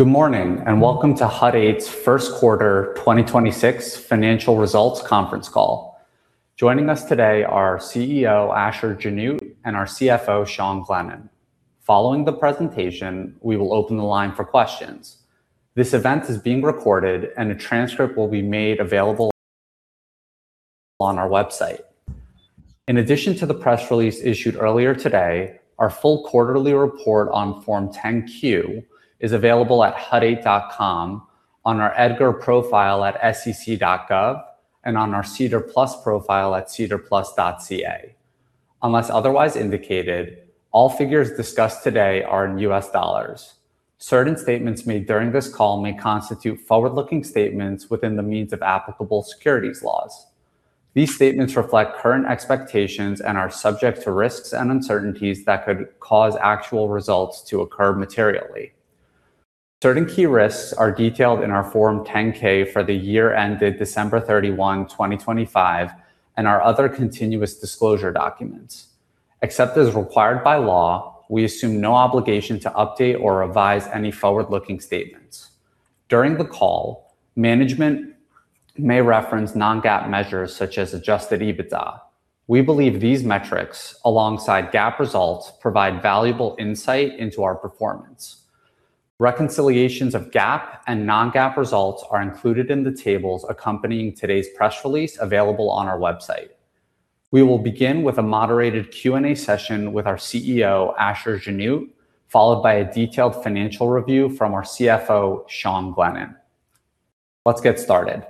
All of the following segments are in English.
Good morning, and welcome to Hut 8's first quarter 2026 financial results conference call. Joining us today are CEO Asher Genoot and our CFO Sean Glennan. Following the presentation, we will open the line for questions. This event is being recorded, and a transcript will be made available on our website. In addition to the press release issued earlier today, our full quarterly report on Form 10-Q is available at hut8.com, on our EDGAR profile at sec.gov, and on our SEDAR+ profile at sedarplus.ca. Unless otherwise indicated, all figures discussed today are in US dollars. Certain statements made during this call may constitute forward-looking statements within the means of applicable securities laws. These statements reflect current expectations and are subject to risks and uncertainties that could cause actual results to occur materially. Certain key risks are detailed in our Form 10-K for the year ended December 31, 2025, and our other continuous disclosure documents. Except as required by law, we assume no obligation to update or revise any forward-looking statements. During the call, management may reference non-GAAP measures such as Adjusted EBITDA. We believe these metrics, alongside GAAP results, provide valuable insight into our performance. Reconciliations of GAAP and non-GAAP results are included in the tables accompanying today's press release available on our website. We will begin with a moderated Q&A session with our CEO, Asher Genoot, followed by a detailed financial review from our CFO, Sean Glennan. Let's get started.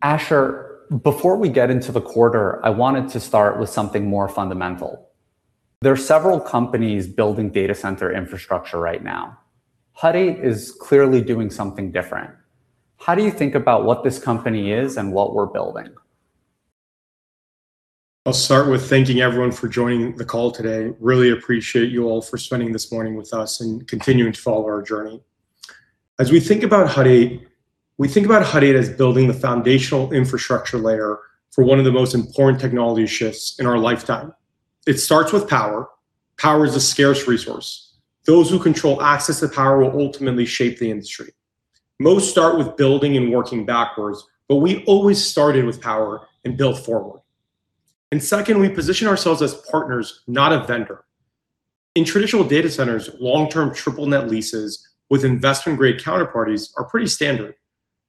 Asher, before we get into the quarter, I wanted to start with something more fundamental. There are several companies building data center infrastructure right now. Hut 8 is clearly doing something different. How do you think about what this company is and what we're building? I'll start with thanking everyone for joining the call today. Really appreciate you all for spending this morning with us and continuing to follow our journey. As we think about Hut 8, we think about Hut 8 as building the foundational infrastructure layer for one of the most important technology shifts in our lifetime. It starts with power. Power is a scarce resource. Those who control access to power will ultimately shape the industry. Most start with building and working backwards, but we always started with power and build forward. Second, we position ourselves as partners, not a vendor. In traditional data centers, long-term triple-net leases with investment-grade counterparties are pretty standard.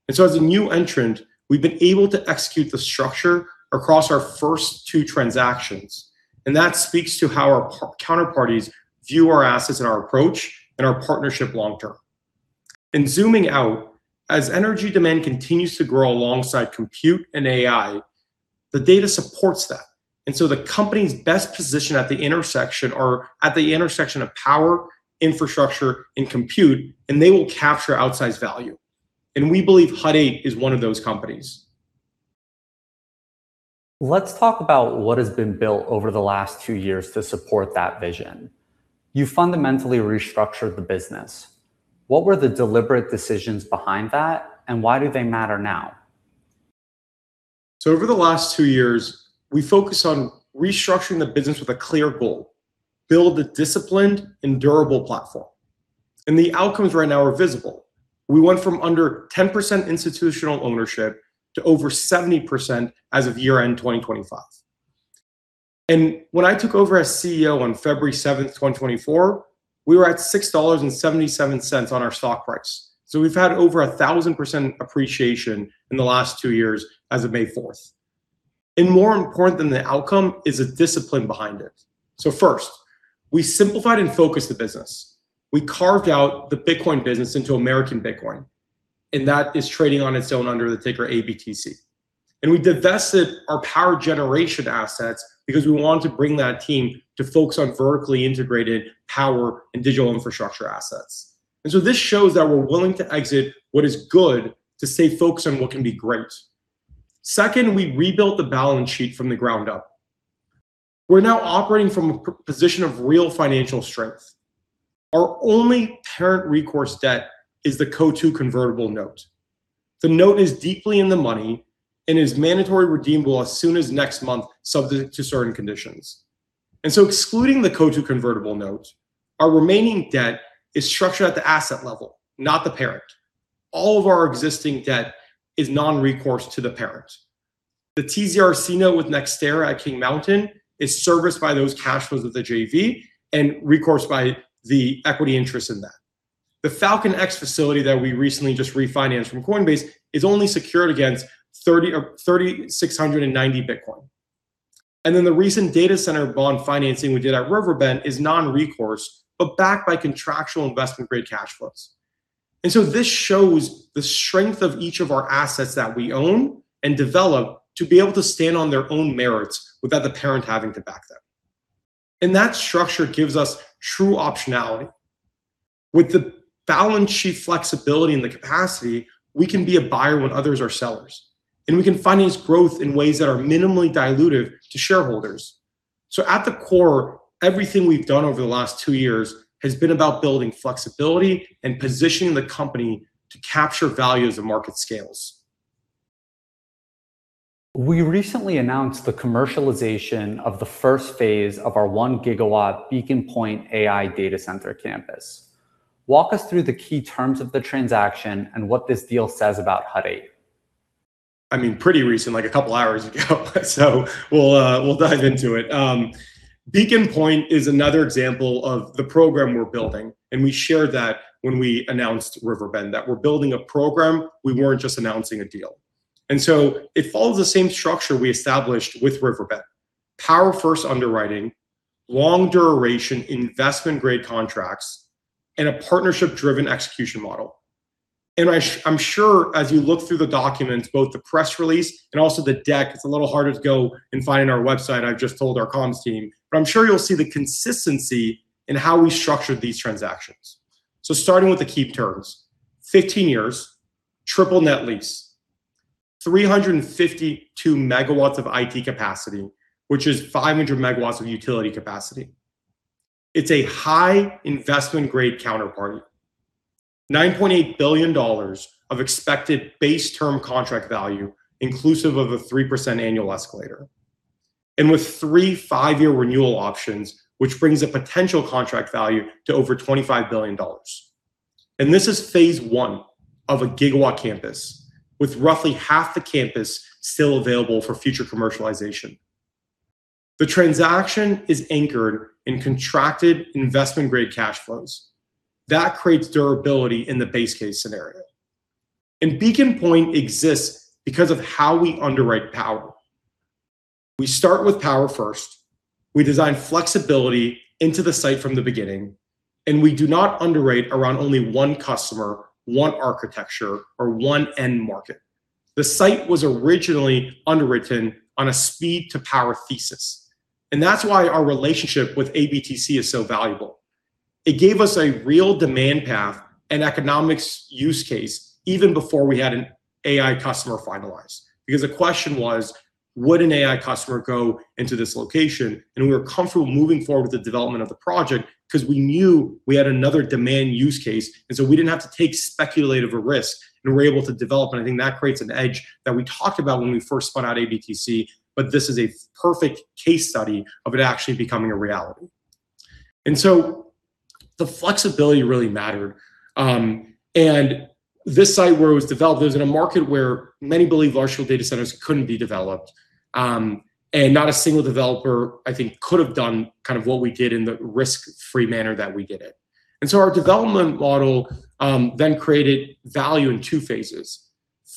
As a new entrant, we've been able to execute the structure across our first two transactions. That speaks to how our counterparties view our assets and our approach and our partnership long term. Zooming out, as Entergy demand continues to grow alongside compute and AI, the data supports that. The company's best position at the intersection are at the intersection of power, infrastructure, and compute, and they will capture outsized value. We believe Hut 8 is one of those companies. Let's talk about what has been built over the last two years to support that vision. You fundamentally restructured the business. What were the deliberate decisions behind that, and why do they matter now? Over the last 2 years, we focused on restructuring the business with a clear goal: build a disciplined and durable platform. The outcomes right now are visible. We went from under 10% institutional ownership to over 70% as of year-end 2025. When I took over as CEO on February 7th, 2024, we were at $6.77 on our stock price. We've had over a 1,000% appreciation in the last 2 years as of May 4th. More important than the outcome is the discipline behind it. First, we simplified and focused the business. We carved out the Bitcoin business into American Bitcoin, and that is trading on its own under the ticker ABTC. We divested our power generation assets because we wanted to bring that team to focus on vertically integrated power and digital infrastructure assets. This shows that we're willing to exit what is good to stay focused on what can be great. Second, we rebuilt the balance sheet from the ground up. We're now operating from a position of real financial strength. Our only parent recourse debt is the Coatue convertible note. The note is deeply in the money and is mandatory redeemable as soon as next month, subject to certain conditions. Excluding the Coatue convertible note, our remaining debt is structured at the asset level, not the parent. All of our existing debt is non-recourse to the parent. The TZRC note with NextEra at King Mountain is serviced by those cash flows of the JV and recourse by the equity interest in that. The FalconX facility that we recently just refinanced from Coinbase is only secured against 3,690 Bitcoin. The recent data center bond financing we did at Riverbend is non-recourse but backed by contractual investment-grade cash flows. This shows the strength of each of our assets that we own and develop to be able to stand on their own merits without the parent having to back them. That structure gives us true optionality. With the balance sheet flexibility and the capacity, we can be a buyer when others are sellers, and we can finance growth in ways that are minimally dilutive to shareholders. At the core, everything we've done over the last 2 years has been about building flexibility and positioning the company to capture value as the market scales We recently announced the commercialization of the first phase of our 1 gigawatt Beacon Point AI data center campus. Walk us through the key terms of the transaction and what this deal says about Hut 8. I mean, pretty recent, like a couple hours ago. We'll dive into it. Beacon Point is another example of the program we're building. We shared that when we announced Riverbend, that we're building a program. We weren't just announcing a deal. It follows the same structure we established with Riverbend. Power first underwriting, long duration investment grade contracts, and a partnership driven execution model. I'm sure as you look through the documents, both the press release and also the deck, it's a little harder to go and find on our website. I've just told our comms team, but I'm sure you'll see the consistency in how we structured these transactions. Starting with the key terms, 15 years, triple-net lease, 352 MW of IT capacity, which is 500 MW of utility capacity. It's a high investment grade counterparty. $9.8 billion of expected base term contract value, inclusive of a 3% annual escalator. With three five-year renewal options, which brings a potential contract value to over $25 billion. This is phase 1 of a gigawatt campus with roughly half the campus still available for future commercialization. The transaction is anchored in contracted investment grade cash flows. That creates durability in the base case scenario. Beacon Point exists because of how we underwrite power. We start with power first. We design flexibility into the site from the beginning, and we do not underwrite around only one customer, one architecture, or one end market. The site was originally underwritten on a speed to power thesis. That's why our relationship with ABTC is so valuable. It gave us a real demand path and economics use case even before we had an AI customer finalized. The question was, would an AI customer go into this location? We were comfortable moving forward with the development of the project because we knew we had another demand use case. We didn't have to take speculative risk and we were able to develop. I think that creates an edge that we talked about when we first spun out ABTC. This is a perfect case study of it actually becoming a reality. The flexibility really mattered. This site where it was developed, it was in a market where many believe virtual data centers couldn't be developed. Not a single developer, I think, could have done kind of what we did in the risk-free manner that we did it. Our development model then created value in two phases.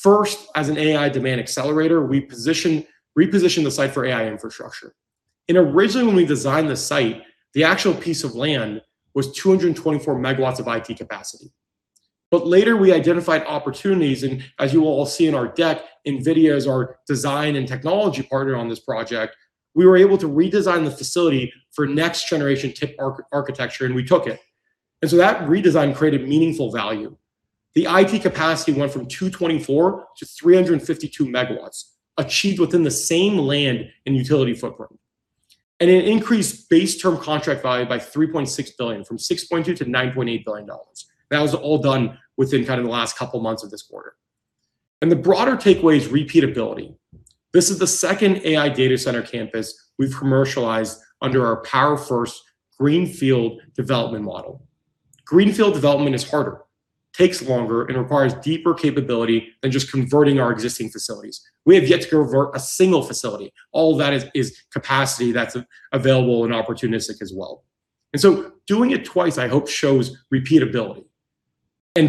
First, as an AI demand accelerator, we repositioned the site for AI infrastructure. Originally when we designed the site, the actual piece of land was 224 MW of IT capacity. Later we identified opportunities. As you will all see in our deck, NVIDIA is our design and technology partner on this project. We were able to redesign the facility for next generation chip architecture and we took it. That redesign created meaningful value. The IT capacity went from 224 to 352 MW, achieved within the same land and utility footprint. It increased base term contract value by $3.6 billion from $6.2 billion to $9.8 billion. That was all done within kind of the last couple months of this quarter. The broader takeaway is repeatability. This is the second AI data center campus we've commercialized under our power first greenfield development model. Greenfield development is harder, takes longer and requires deeper capability than just converting our existing facilities. We have yet to convert a single facility. All of that is capacity that's available and opportunistic as well. Doing it twice, I hope shows repeatability.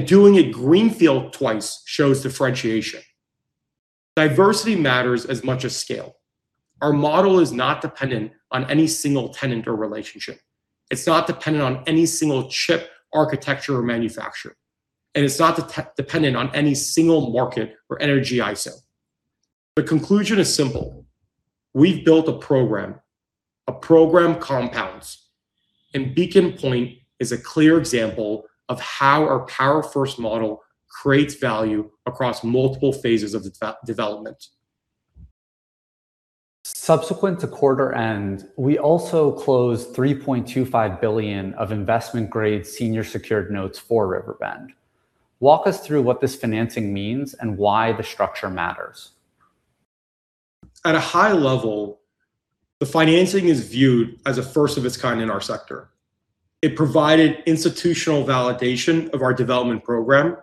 Doing it greenfield twice shows differentiation. Diversity matters as much as scale. Our model is not dependent on any single tenant or relationship. It's not dependent on any single chip architecture or manufacturer. It's not dependent on any single market or entergy ISO. The conclusion is simple. We've built a program, a program compounds. Beacon Point is a clear example of how our power first model creates value across multiple phases of development. Subsequent to quarter end, we also closed $3.25 billion of investment grade senior secured notes for Riverbend. Walk us through what this financing means and why the structure matters. At a high level, the financing is viewed as a first of its kind in our sector. It provided institutional validation of our development program.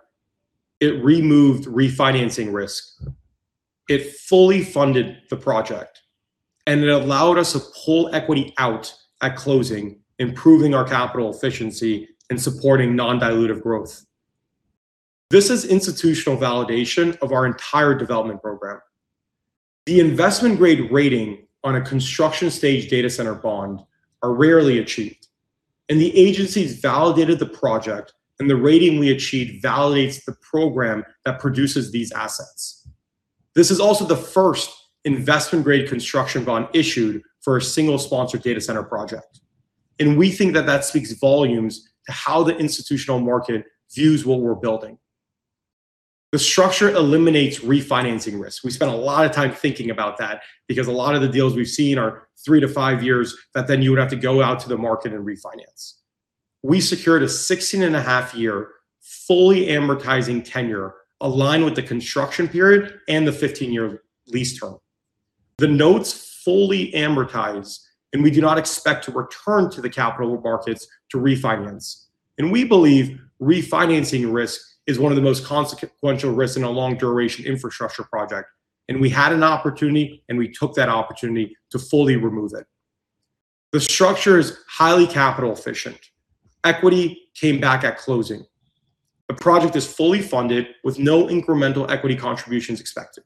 It removed refinancing risk. It fully funded the project. It allowed us to pull equity out at closing, improving our capital efficiency and supporting non-dilutive growth. This is institutional validation of our entire development program. The investment grade rating on a construction stage data center bond are rarely achieved. The agencies validated the project and the rating we achieved validates the program that produces these assets. This is also the first investment grade construction bond issued for a single sponsor data center project. We think that that speaks volumes to how the institutional market views what we're building. The structure eliminates refinancing risk. We spent a lot of time thinking about that because a lot of the deals we've seen are 3-5 years that then you would have to go out to the market and refinance. We secured a 16.5-year fully amortizing tenure aligned with the construction period and the 15-year lease term. The notes fully amortize, we do not expect to return to the capital markets to refinance. We believe refinancing risk is one of the most consequential risks in a long-duration infrastructure project. We had an opportunity, and we took that opportunity to fully remove it. The structure is highly capital efficient. Equity came back at closing. The project is fully funded with no incremental equity contributions expected.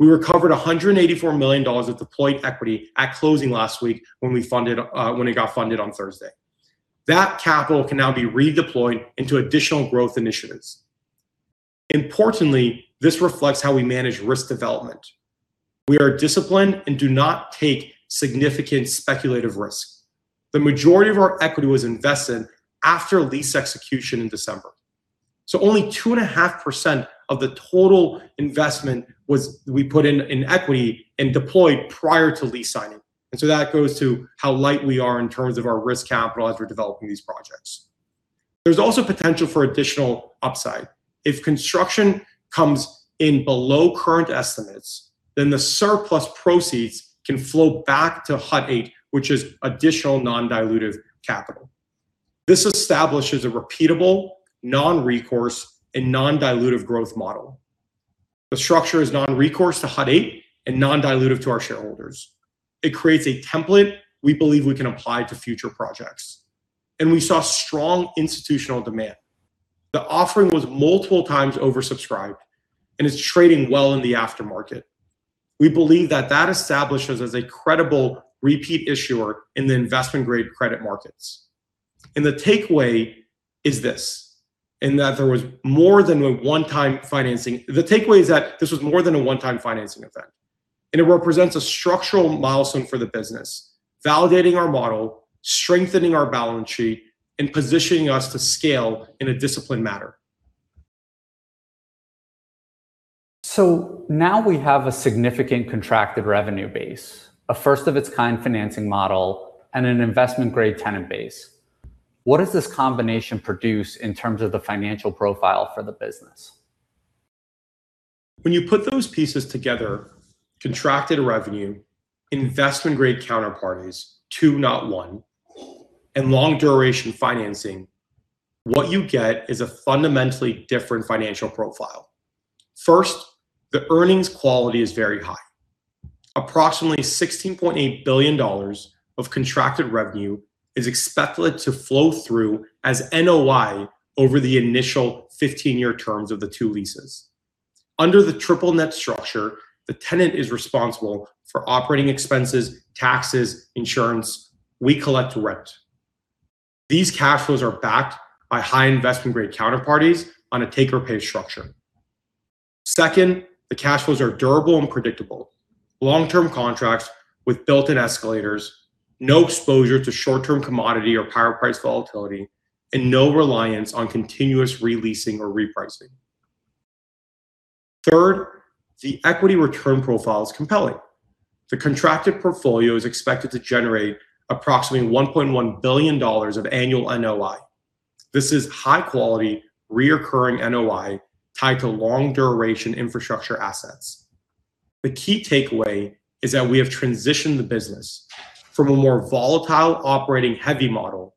We recovered $184 million of deployed equity at closing last week when we funded, when it got funded on Thursday. That capital can now be redeployed into additional growth initiatives. Importantly, this reflects how we manage risk development. We are disciplined and do not take significant speculative risk. The majority of our equity was invested after lease execution in December. Only 2.5% of the total investment we put in equity and deployed prior to lease signing. That goes to how light we are in terms of our risk capital as we're developing these projects. There's also potential for additional upside. If construction comes in below current estimates, then the surplus proceeds can flow back to Hut 8, which is additional non-dilutive capital. This establishes a repeatable, non-recourse, and non-dilutive growth model. The structure is non-recourse to Hut 8 and non-dilutive to our shareholders. It creates a template we believe we can apply to future projects. We saw strong institutional demand. The offering was multiple times oversubscribed and is trading well in the aftermarket. We believe that that establishes us as a credible repeat issuer in the investment-grade credit markets. The takeaway is this, in that there was more than a one-time financing. The takeaway is that this was more than a one-time financing event, and it represents a structural milestone for the business, validating our model, strengthening our balance sheet, and positioning us to scale in a disciplined manner. Now we have a significant contracted revenue base, a first-of-its-kind financing model, and an investment-grade tenant base. What does this combination produce in terms of the financial profile for the business? When you put those pieces together, contracted revenue, investment-grade counterparties, two not one, and long-duration financing, what you get is a fundamentally different financial profile. First, the earnings quality is very high. Approximately $16.8 billion of contracted revenue is expected to flow through as NOI over the initial 15-year terms of the two leases. Under the triple-net structure, the tenant is responsible for operating expenses, taxes, insurance. We collect rent. These cash flows are backed by high investment-grade counterparties on a take-or-pay structure. Second, the cash flows are durable and predictable. Long-term contracts with built-in escalators, no exposure to short-term commodity or power price volatility, and no reliance on continuous re-leasing or repricing. Third, the equity return profile is compelling. The contracted portfolio is expected to generate approximately $1.1 billion of annual NOI. This is high-quality, recurring NOI tied to long-duration infrastructure assets. The key takeaway is that we have transitioned the business from a more volatile operating heavy model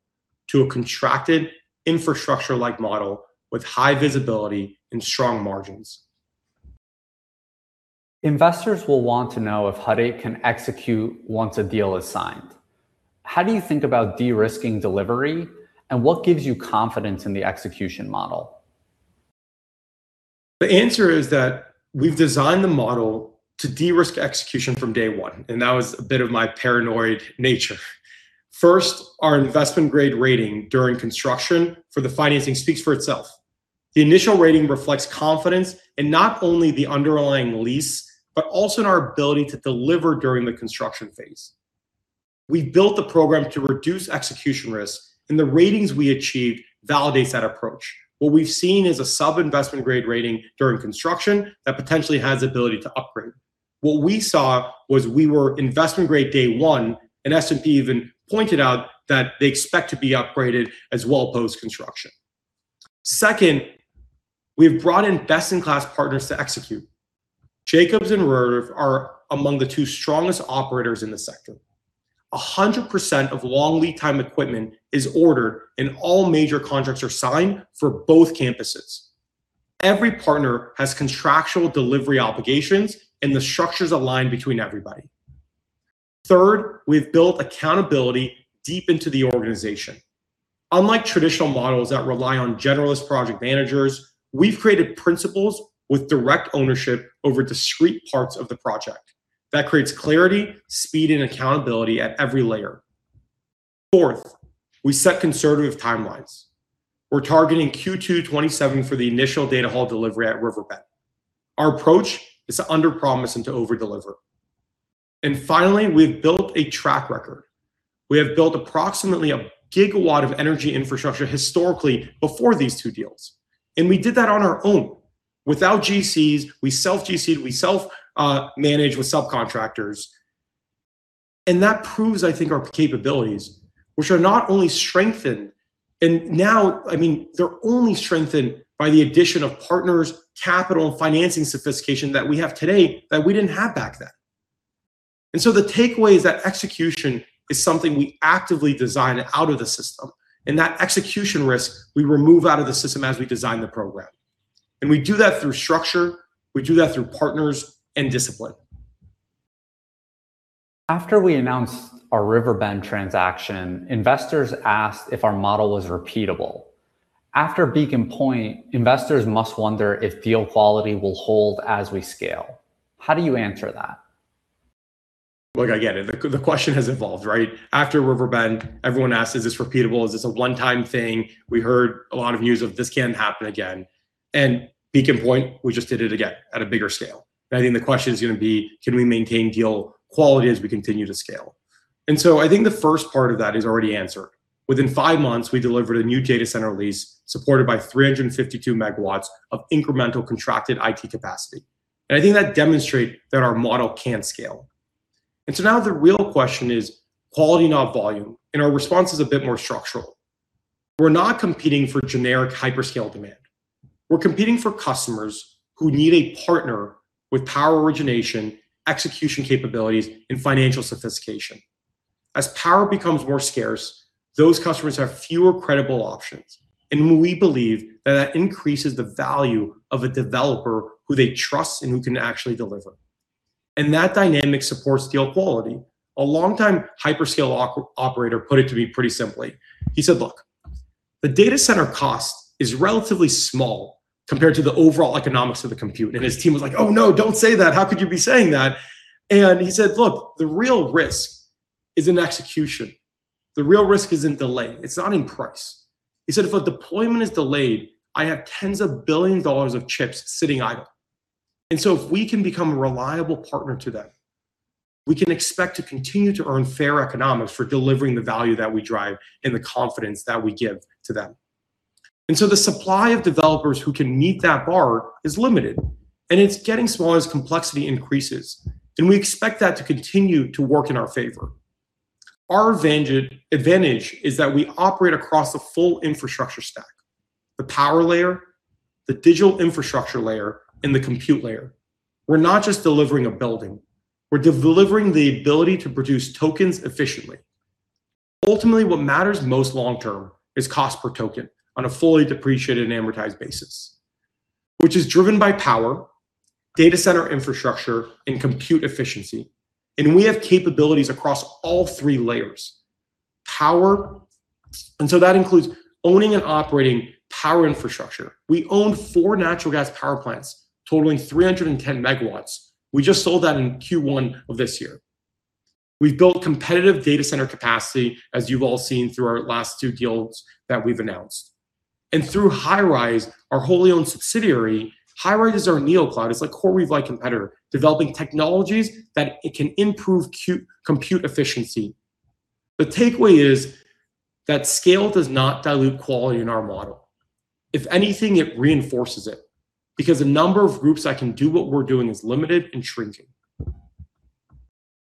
to a contracted infrastructure-like model with high visibility and strong margins. Investors will want to know if Hut 8 can execute once a deal is signed. How do you think about de-risking delivery, and what gives you confidence in the execution model? The answer is that we've designed the model to de-risk execution from day one. That was a bit of my paranoid nature. First, our investment-grade rating during construction for the financing speaks for itself. The initial rating reflects confidence in not only the underlying lease, but also in our ability to deliver during the construction phase. We built the program to reduce execution risk. The ratings we achieved validates that approach. What we've seen is a sub-investment grade rating during construction that potentially has ability to upgrade. What we saw was we were investment grade day one. S&P even pointed out that they expect to be upgraded as well post-construction. Second, we've brought in best-in-class partners to execute. Jacobs and Vernova are among the two strongest operators in the sector. 100% of long lead time equipment is ordered, and all major contracts are signed for both campuses. Every partner has contractual delivery obligations, and the structures align between everybody. Third, we've built accountability deep into the organization. Unlike traditional models that rely on generalist project managers, we've created principals with direct ownership over discrete parts of the project. That creates clarity, speed, and accountability at every layer. Fourth, we set conservative timelines. We're targeting Q2 2027 for the initial data hall delivery at Riverbend. Our approach is to underpromise and to overdeliver. Finally, we've built a track record. We have built approximately 1 gigawatt of energy infrastructure historically before these 2 deals. We did that on our own. Without GCs, we self-GC, we self manage with subcontractors. That proves, I think, our capabilities, which are not only strengthened, and now, I mean, they're only strengthened by the addition of partners, capital, and financing sophistication that we have today that we didn't have back then. The takeaway is that execution is something we actively design out of the system, and that execution risk we remove out of the system as we design the program. We do that through structure, we do that through partners, and discipline. After we announced our Riverbend transaction, investors asked if our model was repeatable. After Beacon Point, investors must wonder if deal quality will hold as we scale. How do you answer that? Look, I get it. The question has evolved, right? After Riverbend, everyone asked, "Is this repeatable? Is this a one-time thing?" We heard a lot of news of this can't happen again. Beacon Point, we just did it again at a bigger scale. I think the question is gonna be, "Can we maintain deal quality as we continue to scale?" I think the first part of that is already answered. Within five months, we delivered a new data center lease supported by 352 MW of incremental contracted IT capacity. I think that demonstrate that our model can scale. Now the real question is quality, not volume, and our response is a bit more structural. We're not competing for generic hyperscale demand. We're competing for customers who need a partner with power origination, execution capabilities, and financial sophistication. As power becomes more scarce, those customers have fewer credible options. We believe that that increases the value of a developer who they trust and who can actually deliver. That dynamic supports deal quality. A longtime hyperscale operator put it to me pretty simply. He said, "Look, the data center cost is relatively small compared to the overall economics of the compute." His team was like, "Oh no, don't say that. How could you be saying that?" He said, "Look, the real risk is in execution. The real risk is in delay. It's not in price." He said, "If a deployment is delayed, I have tens of billion dollars of chips sitting idle." If we can become a reliable partner to them, we can expect to continue to earn fair economics for delivering the value that we drive and the confidence that we give to them. The supply of developers who can meet that bar is limited, and it's getting smaller as complexity increases, and we expect that to continue to work in our favor. Our advantage is that we operate across the full infrastructure stack: the power layer, the digital infrastructure layer, and the compute layer. We're not just delivering a building, we're delivering the ability to produce tokens efficiently. Ultimately, what matters most long term is cost per token on a fully depreciated and amortized basis, which is driven by power, data center infrastructure, and compute efficiency, and we have capabilities across all three layers. Power that includes owning and operating power infrastructure. We own 4 natural gas power plants totaling 310 MW. We just sold that in Q1 of this year. We've built competitive data center capacity, as you've all seen through our last 2 deals that we've announced. Through Highrise, our wholly-owned subsidiary, Highrise is our neocloud. It's like CoreWeave competitor, developing technologies that it can improve compute efficiency. The takeaway is that scale does not dilute quality in our model. If anything, it reinforces it, because the number of groups that can do what we're doing is limited and shrinking.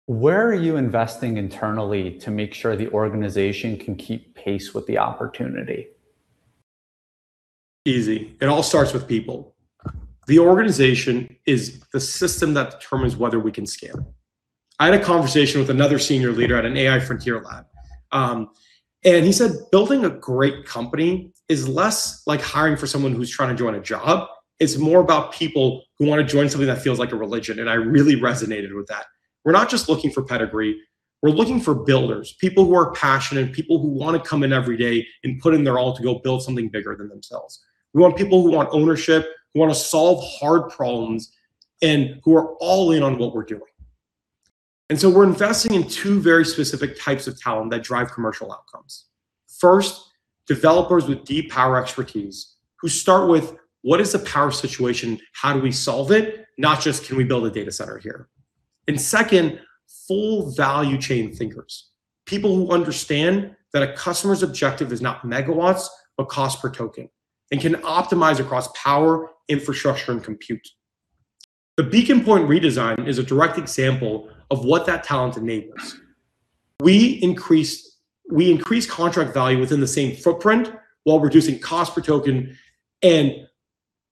Where are you investing internally to make sure the organization can keep pace with the opportunity? Easy. It all starts with people. The organization is the system that determines whether we can scale. I had a conversation with another senior leader at an AI frontier lab, and he said, "Building a great company is less like hiring for someone who's trying to join a job. It's more about people who want to join something that feels like a religion." I really resonated with that. We're not just looking for pedigree, we're looking for builders, people who are passionate, people who want to come in every day and put in their all to go build something bigger than themselves. We want people who want ownership, who want to solve hard problems, and who are all in on what we're doing. We're investing in two very specific types of talent that drive commercial outcomes. First, developers with deep power expertise who start with, "What is the power situation? How do we solve it?" Not just, "Can we build a data center here?" Second, full value chain thinkers, people who understand that a customer's objective is not MW, but cost per token, and can optimize across power, infrastructure, and compute. The Beacon Point redesign is a direct example of what that talent enables. We increased contract value within the same footprint while reducing cost per token.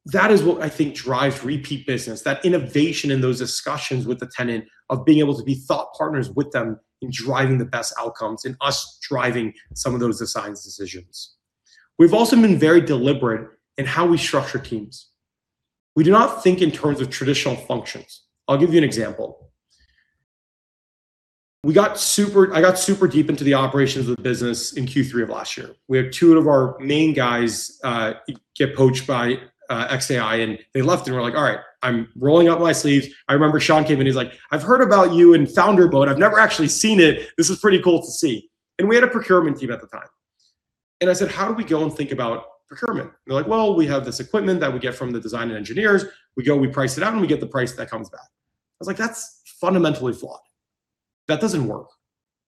That is what I think drives repeat business, that innovation in those discussions with the tenant of being able to be thought partners with them in driving the best outcomes and us driving some of those design decisions. We've also been very deliberate in how we structure teams. We do not think in terms of traditional functions. I'll give you an example. I got super deep into the operations of the business in Q3 of last year. We had two of our main guys get poached by xAI, and they left, and we're like, "All right, I'm rolling up my sleeves." I remember Sean came, and he's like, "I've heard about you in founder boat. I've never actually seen it. This is pretty cool to see." We had a procurement team at the time. I said, "How do we go and think about procurement?" They're like, "Well, we have this equipment that we get from the design and engineers. We go, we price it out, and we get the price that comes back." I was like, "That's fundamentally flawed. That doesn't work.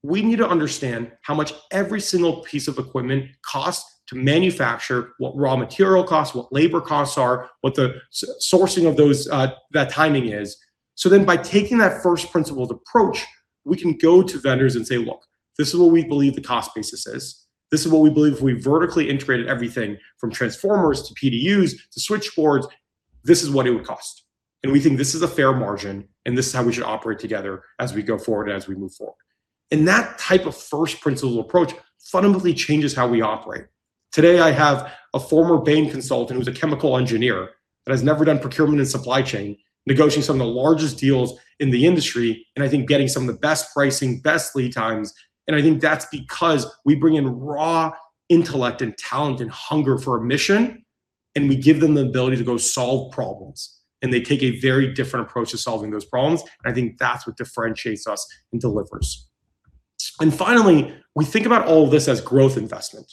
We need to understand how much every single piece of equipment costs to manufacture, what raw material costs, what labor costs are, what the sourcing of those, that timing is. By taking that first principles approach, we can go to vendors and say, "Look, this is what we believe the cost basis is. This is what we believe if we vertically integrated everything from transformers to PDUs to switchboards, this is what it would cost. We think this is a fair margin, and this is how we should operate together as we go forward, as we move forward." That type of first principles approach fundamentally changes how we operate. Today, I have a former Bain consultant who's a chemical engineer that has never done procurement and supply chain, negotiating some of the largest deals in the industry, and I think getting some of the best pricing, best lead times, and I think that's because we bring in raw intellect and talent and hunger for a mission, and we give them the ability to go solve problems, and they take a very different approach to solving those problems, and I think that's what differentiates us and delivers. Finally, we think about all of this as growth investment.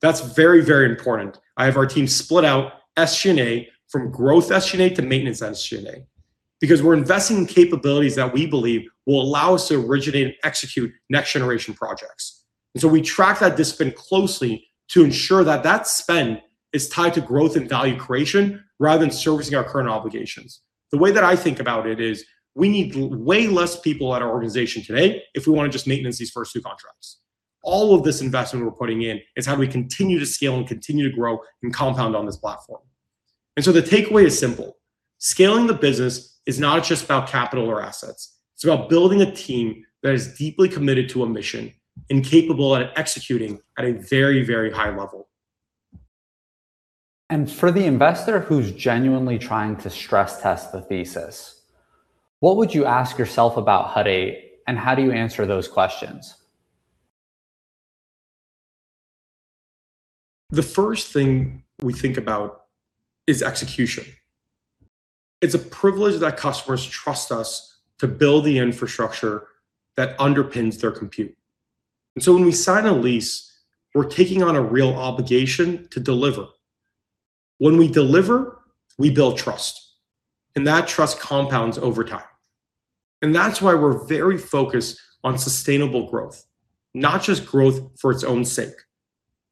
That's very, very important. I have our team split out SG&A from growth SG&A to maintenance SG&A because we're investing in capabilities that we believe will allow us to originate and execute next generation projects. We track that discipline closely to ensure that that spend is tied to growth and value creation rather than servicing our current obligations. The way that I think about it is we need way less people at our organization today if we want to just maintenance these first two contracts. All of this investment we're putting in is how do we continue to scale and continue to grow and compound on this platform. The takeaway is simple. Scaling the business is not just about capital or assets. It's about building a team that is deeply committed to a mission and capable at executing at a very, very high level. For the investor who's genuinely trying to stress test the thesis, what would you ask yourself about Hut 8, and how do you answer those questions? The first thing we think about is execution. It's a privilege that customers trust us to build the infrastructure that underpins their compute. When we sign a lease, we're taking on a real obligation to deliver. When we deliver, we build trust, and that trust compounds over time. That's why we're very focused on sustainable growth, not just growth for its own sake,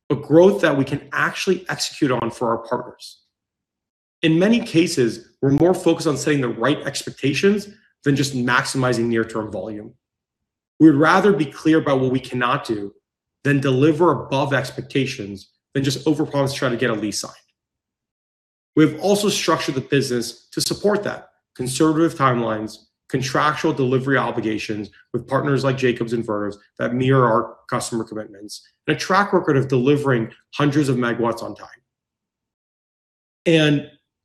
but growth that we can actually execute on for our partners. In many cases, we're more focused on setting the right expectations than just maximizing near-term volume. We would rather be clear about what we cannot do than deliver above expectations than just overpromise to try to get a lease signed. We've also structured the business to support that, conservative timelines, contractual delivery obligations with partners like Jacobs and Vernova that mirror our customer commitments, and a track record of delivering hundreds of MW on time.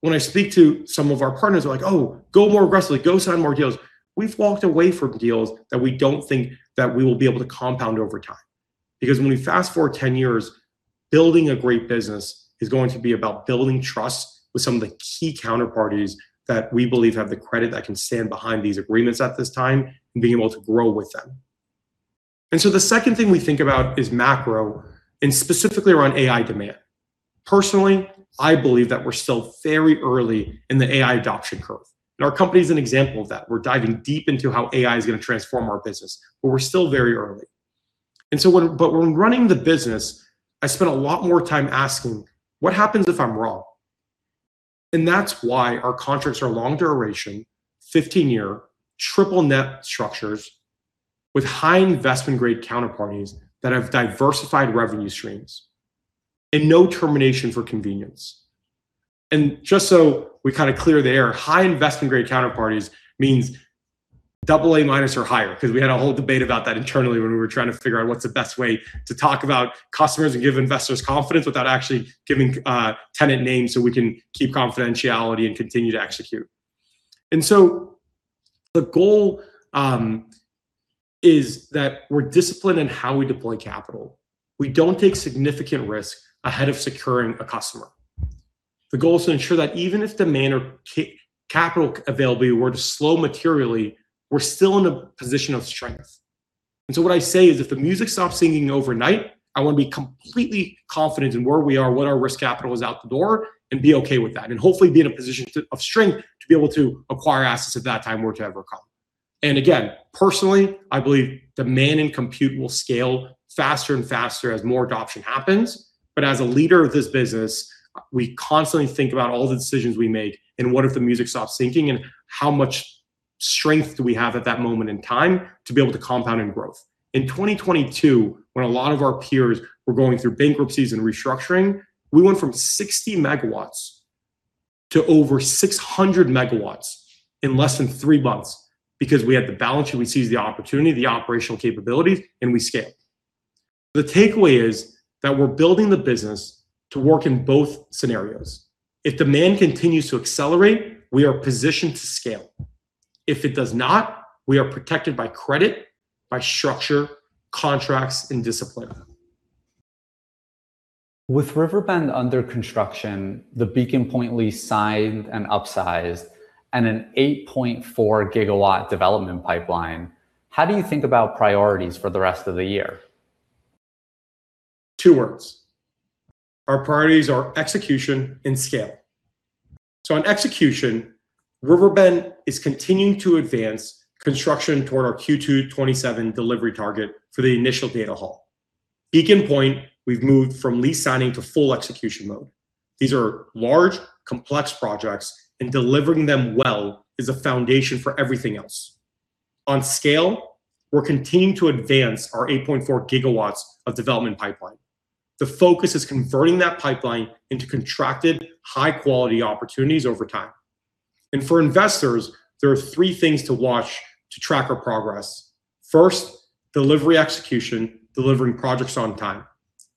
When I speak to some of our partners, they're like, "Oh, go more aggressively. Go sign more deals." We've walked away from deals that we don't think that we will be able to compound over time because when we fast-forward 10 years, building a great business is going to be about building trust with some of the key counterparties that we believe have the credit that can stand behind these agreements at this time and being able to grow with them. The second thing we think about is macro and specifically around AI demand. Personally, I believe that we're still very early in the AI adoption curve, and our company's an example of that. We're diving deep into how AI is gonna transform our business, but we're still very early. But when running the business, I spend a lot more time asking, "What happens if I'm wrong?" That's why our contracts are long duration, 15-year triple-net structures with high investment grade counterparties that have diversified revenue streams and no termination for convenience. Just so we kinda clear the air, high investment grade counterparties means AA- or higher 'cause we had a whole debate about that internally when we were trying to figure out what's the best way to talk about customers and give investors confidence without actually giving tenant names so we can keep confidentiality and continue to execute. The goal is that we're disciplined in how we deploy capital. We don't take significant risk ahead of securing a customer. The goal is to ensure that even if demand or capital availability were to slow materially, we're still in a position of strength. What I say is if the music stops singing overnight, I wanna be completely confident in where we are, what our risk capital is out the door, and be okay with that, and hopefully be in a position of strength to be able to acquire assets at that time were it to ever come. Again, personally, I believe demand in compute will scale faster and faster as more adoption happens. As a leader of this business, we constantly think about all the decisions we make and what if the music stops syncing and how much strength do we have at that moment in time to be able to compound in growth. In 2022, when a lot of our peers were going through bankruptcies and restructuring, we went from 60 MW to over 600 MW in less than 3 months because we had the balance sheet, we seized the opportunity, the operational capabilities, and we scaled. The takeaway is that we're building the business to work in both scenarios. If demand continues to accelerate, we are positioned to scale. If it does not, we are protected by credit, by structure, contracts, and discipline. With Riverbend under construction, the Beacon Point lease signed and upsized, and an 8.4 gigawatt development pipeline, how do you think about priorities for the rest of the year? Two words. Our priorities are execution and scale. On execution, Riverbend is continuing to advance construction toward our Q2 2027 delivery target for the initial data hall. Beacon Point, we've moved from lease signing to full execution mode. These are large, complex projects, and delivering them well is a foundation for everything else. On scale, we're continuing to advance our 8.4 GW of development pipeline. The focus is converting that pipeline into contracted high-quality opportunities over time. For investors, there are three things to watch to track our progress. First, delivery execution, delivering projects on time.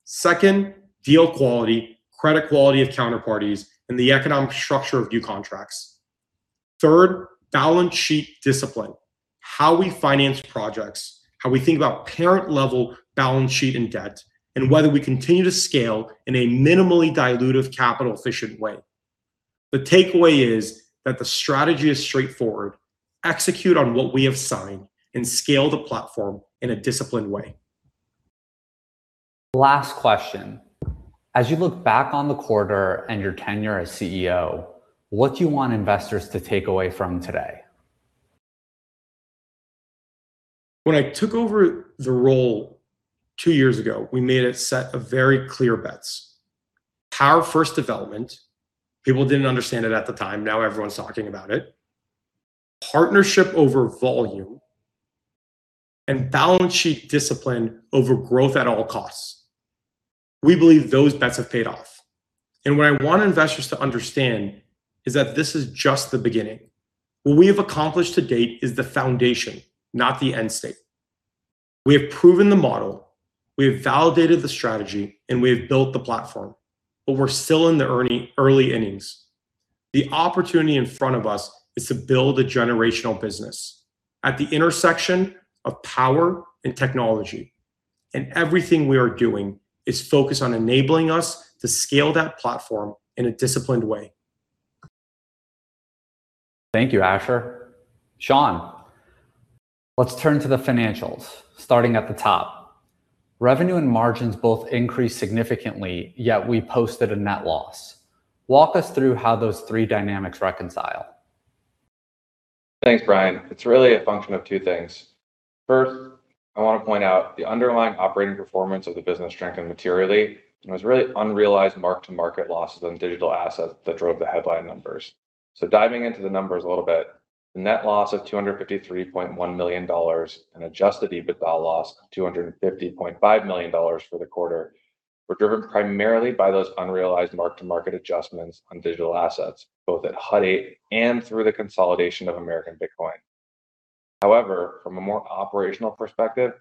Second, deal quality, credit quality of counterparties, and the economic structure of new contracts. Third, balance sheet discipline, how we finance projects, how we think about parent-level balance sheet and debt, and whether we continue to scale in a minimally dilutive capital efficient way. The takeaway is that the strategy is straightforward. Execute on what we have signed and scale the platform in a disciplined way. Last question. As you look back on the quarter and your tenure as CEO, what do you want investors to take away from today? When I took over the role two years ago, we made a set of very clear bets. Power-first development, people didn't understand it at the time, now everyone's talking about it. Partnership over volume, balance sheet discipline over growth at all costs. We believe those bets have paid off, what I want investors to understand is that this is just the beginning. What we have accomplished to date is the foundation, not the end state. We have proven the model, we have validated the strategy, we have built the platform, we're still in the early innings. The opportunity in front of us is to build a generational business at the intersection of power and technology, everything we are doing is focused on enabling us to scale that platform in a disciplined way. Thank you, Asher. Sean, let's turn to the financials, starting at the top. Revenue and margins both increased significantly, yet we posted a net loss. Walk us through how those three dynamics reconcile. Thanks, Bryan. It's really a function of two things. First, I want to point out the underlying operating performance of the business strengthened materially, and it was really unrealized mark-to-market losses on digital assets that drove the headline numbers. Diving into the numbers a little bit, the net loss of $253.1 million, an Adjusted EBITDA loss, $250.5 million for the quarter, were driven primarily by those unrealized mark-to-market adjustments on digital assets, both at Hut 8 and through the consolidation of American Bitcoin. However, from a more operational perspective,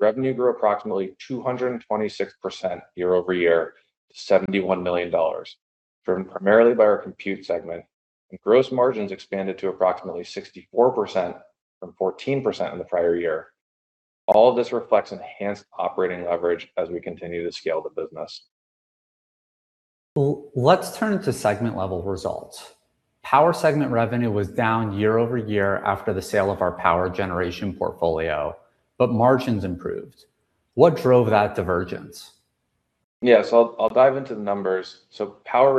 revenue grew approximately 226% year-over-year to $71 million, driven primarily by our compute segment, and gross margins expanded to approximately 64% from 14% in the prior year. All of this reflects enhanced operating leverage as we continue to scale the business. Well, let's turn to segment-level results. Power Segment revenue was down year-over-year after the sale of our power generation portfolio, but margins improved. What drove that divergence? Yes, I'll dive into the numbers. Power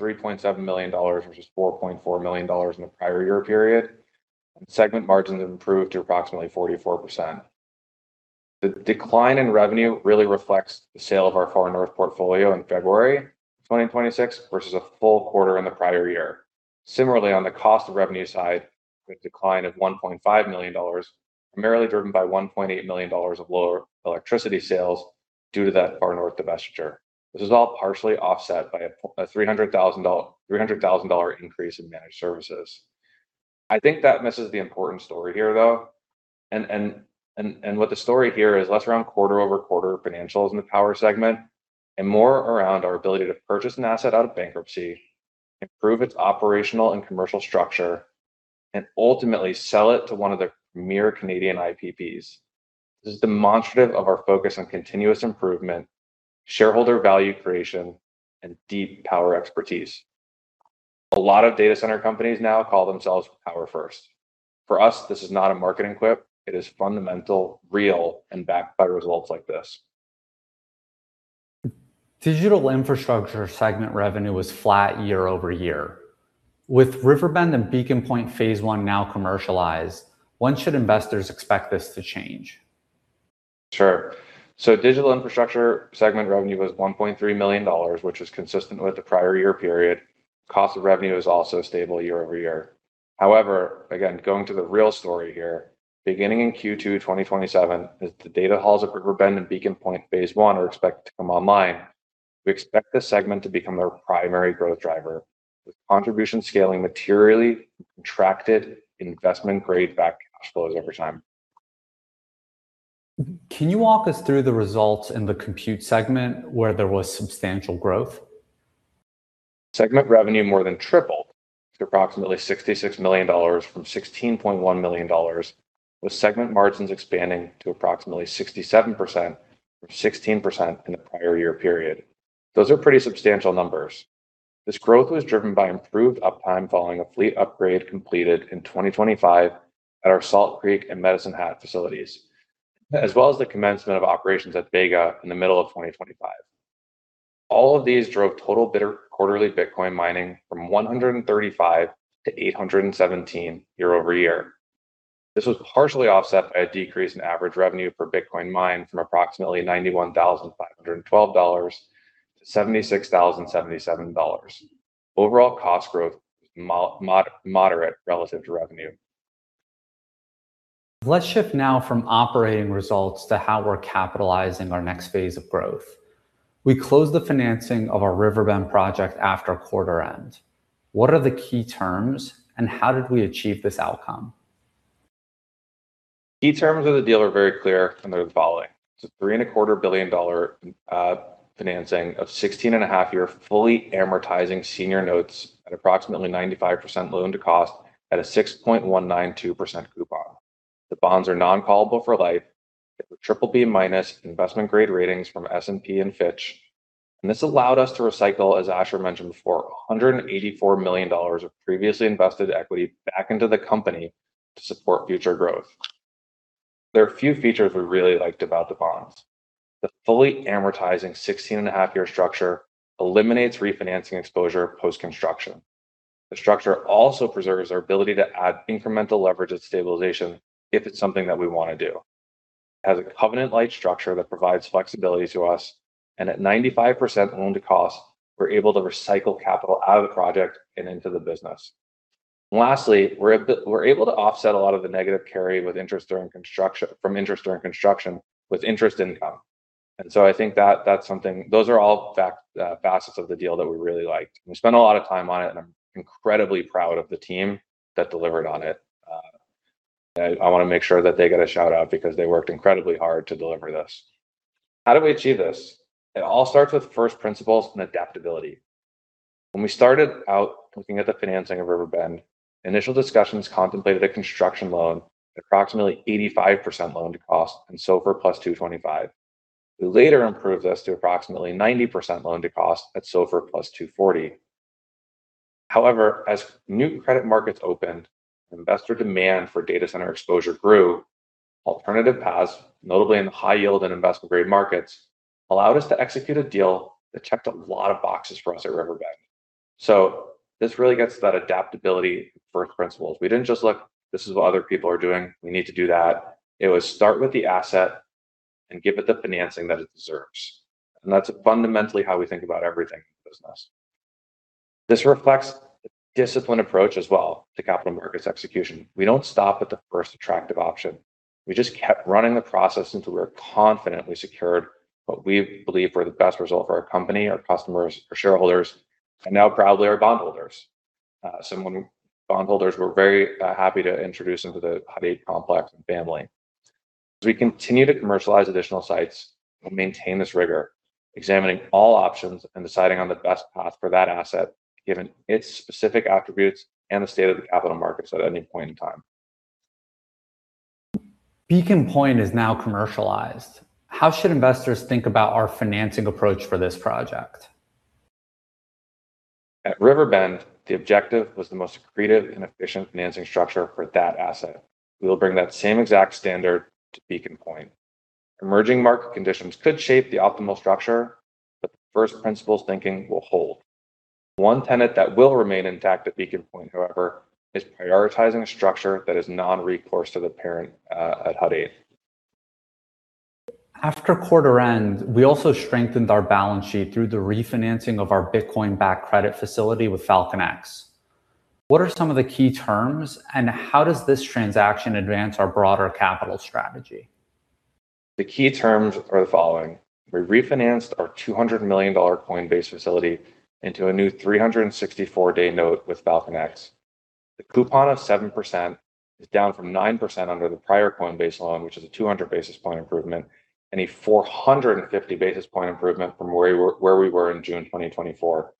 revenue was $3.7 million, which was $4.4 million in the prior year period. Segment margins have improved to approximately 44%. The decline in revenue really reflects the sale of our Far North portfolio in February 2026 versus a full quarter in the prior year. Similarly, on the cost of revenue side, with decline of $1.5 million, primarily driven by $1.8 million of lower electricity sales due to that Far North divestiture. This is all partially offset by a $300,000 increase in managed services. I think that misses the important story here, though. What the story here is less around quarter-over-quarter financials in the power segment and more around our ability to purchase an asset out of bankruptcy, improve its operational and commercial structure, and ultimately sell it to one of the premier Canadian IPPs. This is demonstrative of our focus on continuous improvement, shareholder value creation, and deep power expertise. A lot of data center companies now call themselves power first. For us, this is not a marketing quip. It is fundamental, real, and backed by results like this. Digital Infrastructure Segment revenue was flat year-over-year. With Riverbend and Beacon Point phase 1 now commercialized, when should investors expect this to change? Sure. Digital infrastructure segment revenue was $1.3 million, which was consistent with the prior year period. Cost of revenue is also stable year-over-year. However, again, going to the real story here, beginning in Q2 2027, as the data halls at Riverbend and Beacon Point phase 1 are expected to come online, we expect this segment to become the primary growth driver, with contribution scaling materially and contracted investment-grade backed cash flows over time. Can you walk us through the results in the compute segment where there was substantial growth? Segment revenue more than tripled to approximately $66 million from $16.1 million, with segment margins expanding to approximately 67% from 16% in the prior year period. Those are pretty substantial numbers. This growth was driven by improved uptime following a fleet upgrade completed in 2025 at our Salt Creek and Medicine Hat facilities, as well as the commencement of operations at Vega in the middle of 2025. All of these drove total quarterly Bitcoin mining from 135 to 817 year-over-year. This was partially offset by a decrease in average revenue per Bitcoin mined from approximately $91,512 to $76,077. Overall cost growth moderate relative to revenue. Let's shift now from operating results to how we're capitalizing our next phase of growth. We closed the financing of our Riverbend project after quarter end. What are the key terms, and how did we achieve this outcome? Key terms of the deal are very clear, they're the following. It's a three and a quarter billion dollar financing of 16 and a half year fully amortizing senior notes at approximately 95% loan to cost at a 6.192% coupon. The bonds are non-callable for life. They have a BBB- investment-grade ratings from S&P and Fitch. This allowed us to recycle, as Asher mentioned before, $184 million of previously invested equity back into the company to support future growth. There are a few features we really liked about the bonds. The fully amortizing 16 and a half year structure eliminates refinancing exposure post-construction. The structure also preserves our ability to add incremental leverage at stabilization if it's something that we want to do. It has a covenant-light structure that provides flexibility to us. At 95% loan to cost, we're able to recycle capital out of the project and into the business. Lastly, we're able to offset a lot of the negative carry with interest during construction with interest income. I think that, those are all facets of the deal that we really liked. We spent a lot of time on it, and I'm incredibly proud of the team that delivered on it. I wanna make sure that they get a shout-out because they worked incredibly hard to deliver this. How did we achieve this? It all starts with first principles and adaptability. When we started out looking at the financing of Riverbend, initial discussions contemplated a construction loan at approximately 85% loan to cost and SOFR plus 225. We later improved this to approximately 90% loan to cost at SOFR + 240. However, as new credit markets opened, investor demand for data center exposure grew. Alternative paths, notably in the high yield and investment-grade markets, allowed us to execute a deal that checked a lot of boxes for us at Riverbend. This really gets to that adaptability first principles. We didn't just look, this is what other people are doing, we need to do that. It was start with the asset and give it the financing that it deserves. That's fundamentally how we think about everything in the business. This reflects a disciplined approach as well to capital markets execution. We don't stop at the first attractive option. We just kept running the process until we were confidently secured what we believe were the best result for our company, our customers, our shareholders, and now proudly our bondholders. bondholders we're very happy to introduce into the Hut 8 complex and family. As we continue to commercialize additional sites, we'll maintain this rigor, examining all options and deciding on the best path for that asset, given its specific attributes and the state of the capital markets at any point in time. Beacon Point is now commercialized. How should investors think about our financing approach for this project? At Riverbend, the objective was the most accretive and efficient financing structure for that asset. We will bring that same exact standard to Beacon Point. Emerging market conditions could shape the optimal structure, but the first principles thinking will hold. One tenet that will remain intact at Beacon Point, however, is prioritizing a structure that is non-recourse to the parent at Hut 8. After quarter end, we also strengthened our balance sheet through the refinancing of our Bitcoin-backed credit facility with FalconX. What are some of the key terms, and how does this transaction advance our broader capital strategy? The key terms are the following. We refinanced our $200 million Coinbase facility into a new 364-day note with FalconX. The coupon of 7% is down from 9% under the prior Coinbase loan, which is a 200 basis point improvement and a 450 basis point improvement from where we were in June 2024.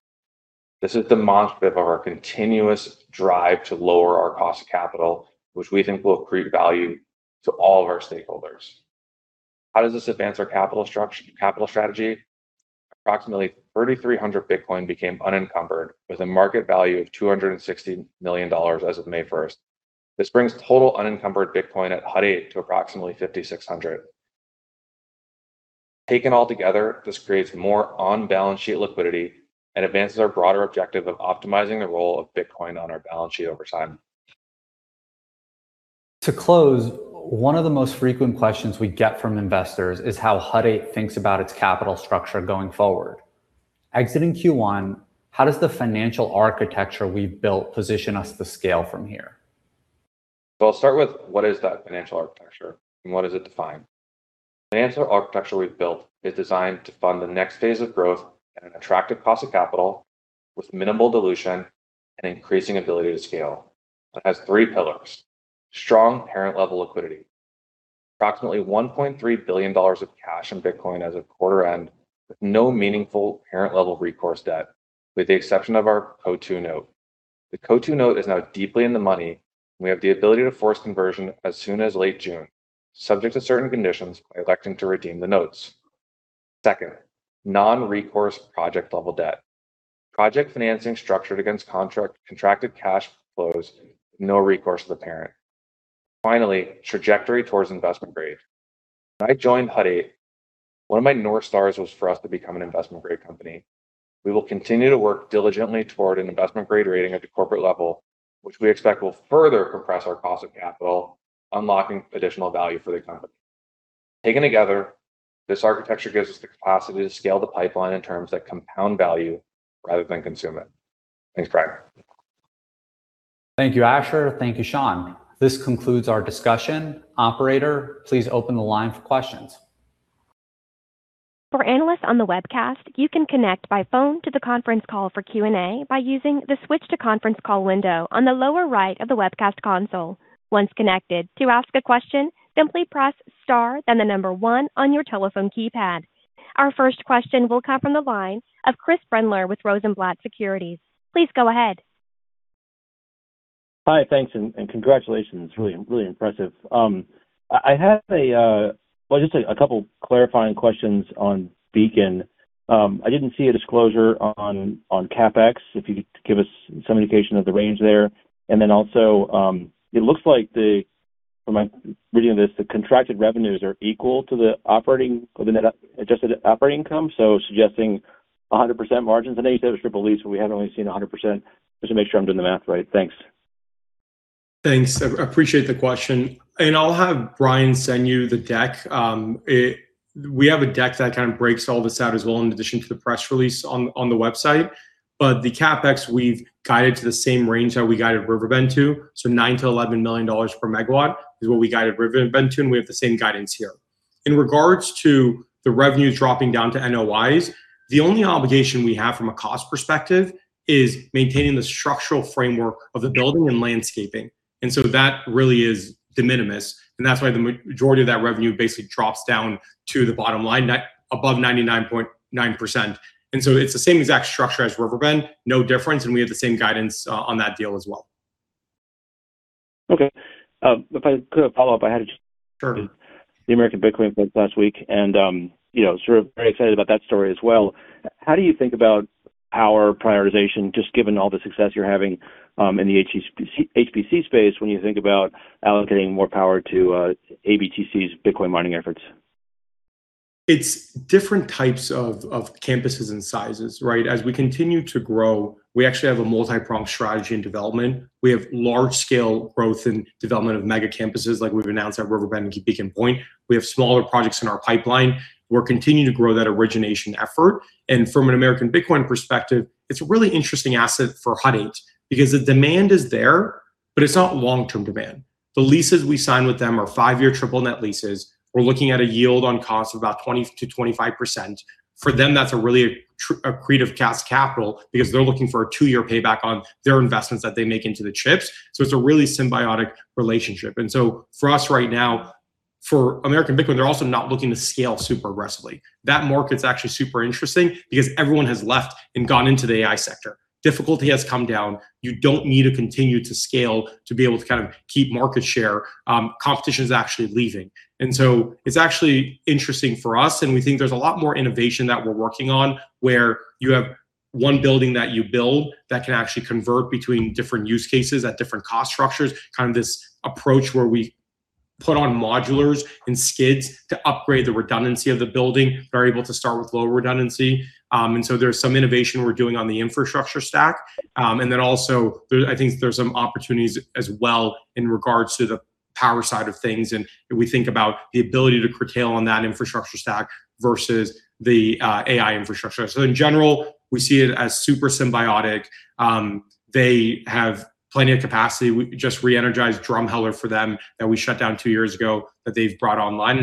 This is demonstrative of our continuous drive to lower our cost of capital, which we think will accrete value to all of our stakeholders. How does this advance our capital strategy? Approximately 3,300 Bitcoin became unencumbered with a market value of $260 million as of May 1st. This brings total unencumbered Bitcoin at Hut 8 to approximately 5,600. Taken all together, this creates more on-balance sheet liquidity and advances our broader objective of optimizing the role of Bitcoin on our balance sheet over time. To close, one of the most frequent questions we get from investors is how Hut 8 thinks about its capital structure going forward. Exiting Q1, how does the financial architecture we've built position us to scale from here? What is that financial architecture, and what does it define? The financial architecture we've built is designed to fund the next phase of growth at an attractive cost of capital with minimal dilution and increasing ability to scale. It has three pillars. Strong parent-level liquidity. Approximately $1.3 billion of cash in Bitcoin as of quarter end with no meaningful parent-level recourse debt, with the exception of our Coatue note. The Coatue note is now deeply in the money, and we have the ability to force conversion as soon as late June, subject to certain conditions by electing to redeem the notes. Second, non-recourse project level debt. Project financing structured against contract-contracted cash flows, no recourse to the parent. Finally, trajectory towards investment grade. When I joined Hut 8, one of my North Stars was for us to become an investment-grade company. We will continue to work diligently toward an investment-grade rating at the corporate level, which we expect will further compress our cost of capital, unlocking additional value for the company. Taken together, this architecture gives us the capacity to scale the pipeline in terms that compound value rather than consume it. Thanks, Bryan. Thank you, Asher. Thank you, Sean. This concludes our discussion. Operator, please open the line for questions. For analysts on the webcast, you can connect by phone to the conference call for Q&A by using the switch to conference call window on the lower right of the webcast console. Once connected, to ask a question, simply press star, then the number 1 on your telephone keypad. Our first question will come from the line of Chris Brendler with Rosenblatt Securities. Please go ahead. Hi, thanks and congratulations. Really impressive. I have a couple clarifying questions on Beacon. I didn't see a disclosure on CapEx, if you could give us some indication of the range there. Also, it looks like from my reading of this, the contracted revenues are equal to the operating or the net Adjusted Operating Income, so suggesting 100% margins. I know you said it was triple-net lease, but we haven't really seen 100%. Just to make sure I'm doing the math right. Thanks. Thanks. I appreciate the question. I'll have Bryan send you the deck. We have a deck that kind of breaks all this out as well in addition to the press release on the website. The CapEx we've guided to the same range that we guided Riverbend to, so $9 million-$11 million per MW is what we guided Riverbend to. We have the same guidance here. In regards to the revenues dropping down to NOIs, the only obligation we have from a cost perspective is maintaining the structural framework of the building and landscaping. That really is de minimis. That's why the majority of that revenue basically drops down to the bottom line, above 99.9%. It's the same exact structure as Riverbend, no difference, and we have the same guidance on that deal as well. Okay. If I could follow up, I had a Sure. The American Bitcoin point last week and, you know, sort of very excited about that story as well. How do you think about power prioritization, just given all the success you're having, in the HPC space when you think about allocating more power to ABTC's Bitcoin mining efforts? It's different types of campuses and sizes, right? As we continue to grow, we actually have a multi-pronged strategy in development. We have large-scale growth in development of mega-campuses like we've announced at Riverbend and Beacon Point. We have smaller projects in our pipeline. We're continuing to grow that origination effort. From an American Bitcoin perspective, it's a really interesting asset for Hut 8 because the demand is there, but it's not long-term demand. The leases we sign with them are 5-year triple-net leases. We're looking at a yield on cost of about 20%-25%. For them, that's a really accretive cash capital because they're looking for a 2-year payback on their investments that they make into the chips. It's a really symbiotic relationship. For us right now, for American Bitcoin, they're also not looking to scale super aggressively. That market's actually super interesting because everyone has left and gone into the AI sector. Difficulty has come down. You don't need to continue to scale to be able to kind of keep market share. Competition is actually leaving. It's actually interesting for us, and we think there's a lot more innovation that we're working on where you have one building that you build that can actually convert between different use cases at different cost structures, kind of this approach where we put on modulars and skids to upgrade the redundancy of the building. We're able to start with low redundancy. There's some innovation we're doing on the infrastructure stack. Then also I think there's some opportunities as well in regards to the power side of things. We think about the ability to curtail on that infrastructure stack versus the AI infrastructure. In general, we see it as super symbiotic. They have plenty of capacity. We just re-energized Drumheller for them that we shut down 2 years ago that they've brought online.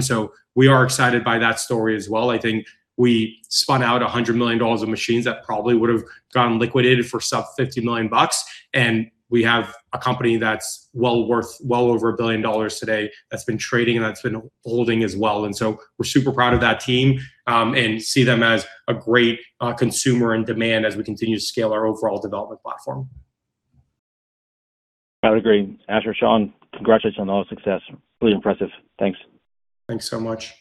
We are excited by that story as well. I think we spun out $100 million of machines that probably would have gotten liquidated for some $50 million. We have a company that's well worth well over $1 billion today that's been trading and that's been holding as well. We're super proud of that team and see them as a great consumer and demand as we continue to scale our overall development platform. I would agree. Asher, Sean, congratulations on all the success. Really impressive. Thanks. Thanks so much.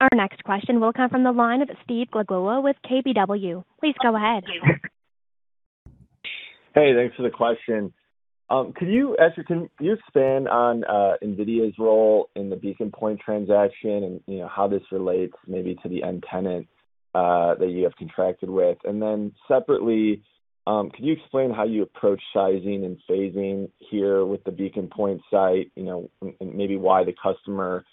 Our next question will come from the line of Stephen Glagola with KBW. Please go ahead. Hey, thanks for the question. Could you, Asher, can you expand on NVIDIA's role in the Beacon Point transaction and, you know, how this relates maybe to the end tenant that you have contracted with? Separately, could you explain how you approach sizing and phasing here with the Beacon Point site? You know, maybe why the customer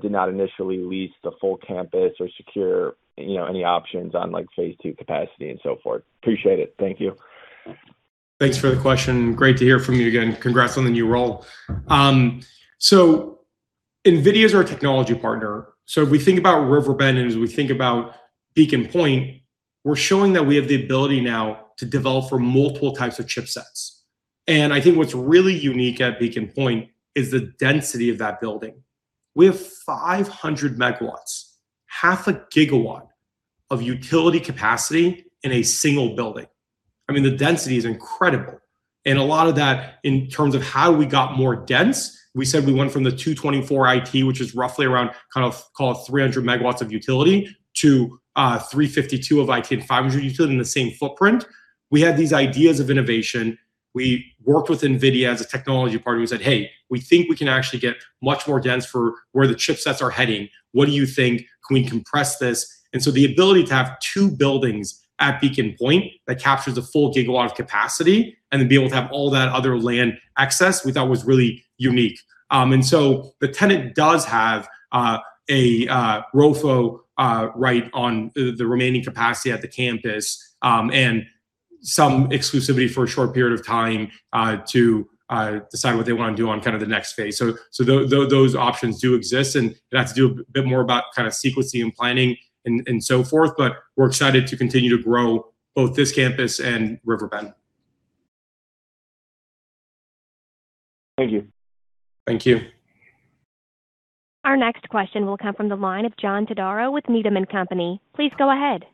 did not initially lease the full campus or secure, you know, any options on like phase 2 capacity and so forth. Appreciate it. Thank you. Thanks for the question. Great to hear from you again. Congrats on the new role. NVIDIA is our technology partner. If we think about Riverbend and as we think about Beacon Point, we're showing that we have the ability now to develop for multiple types of chipsets. I think what's really unique at Beacon Point is the density of that building. We have 500 MW, half a gigawatt of utility capacity in a single building. I mean, the density is incredible. A lot of that in terms of how we got more dense, we said we went from the 224 IT, which is roughly around kind of call it 300 MW of utility, to 352 of IT and 500 utility in the same footprint. We had these ideas of innovation. We worked with NVIDIA as a technology partner who said, "Hey, we think we can actually get much more dense for where the chipsets are heading. What do you think? Can we compress this?" The ability to have two buildings at Beacon Point that captures a full gigawatt of capacity, and to be able to have all that other land access, we thought was really unique. The tenant does have a ROFO right on the remaining capacity at the campus, and some exclusivity for a short period of time to decide what they want to do on kind of the next phase. Those options do exist, and that's to do a bit more about kind of sequencing and planning and so forth. We're excited to continue to grow both this campus and Riverbend. Thank you. Thank you. Our next question will come from the line of John Todaro with Needham & Company. Please go ahead.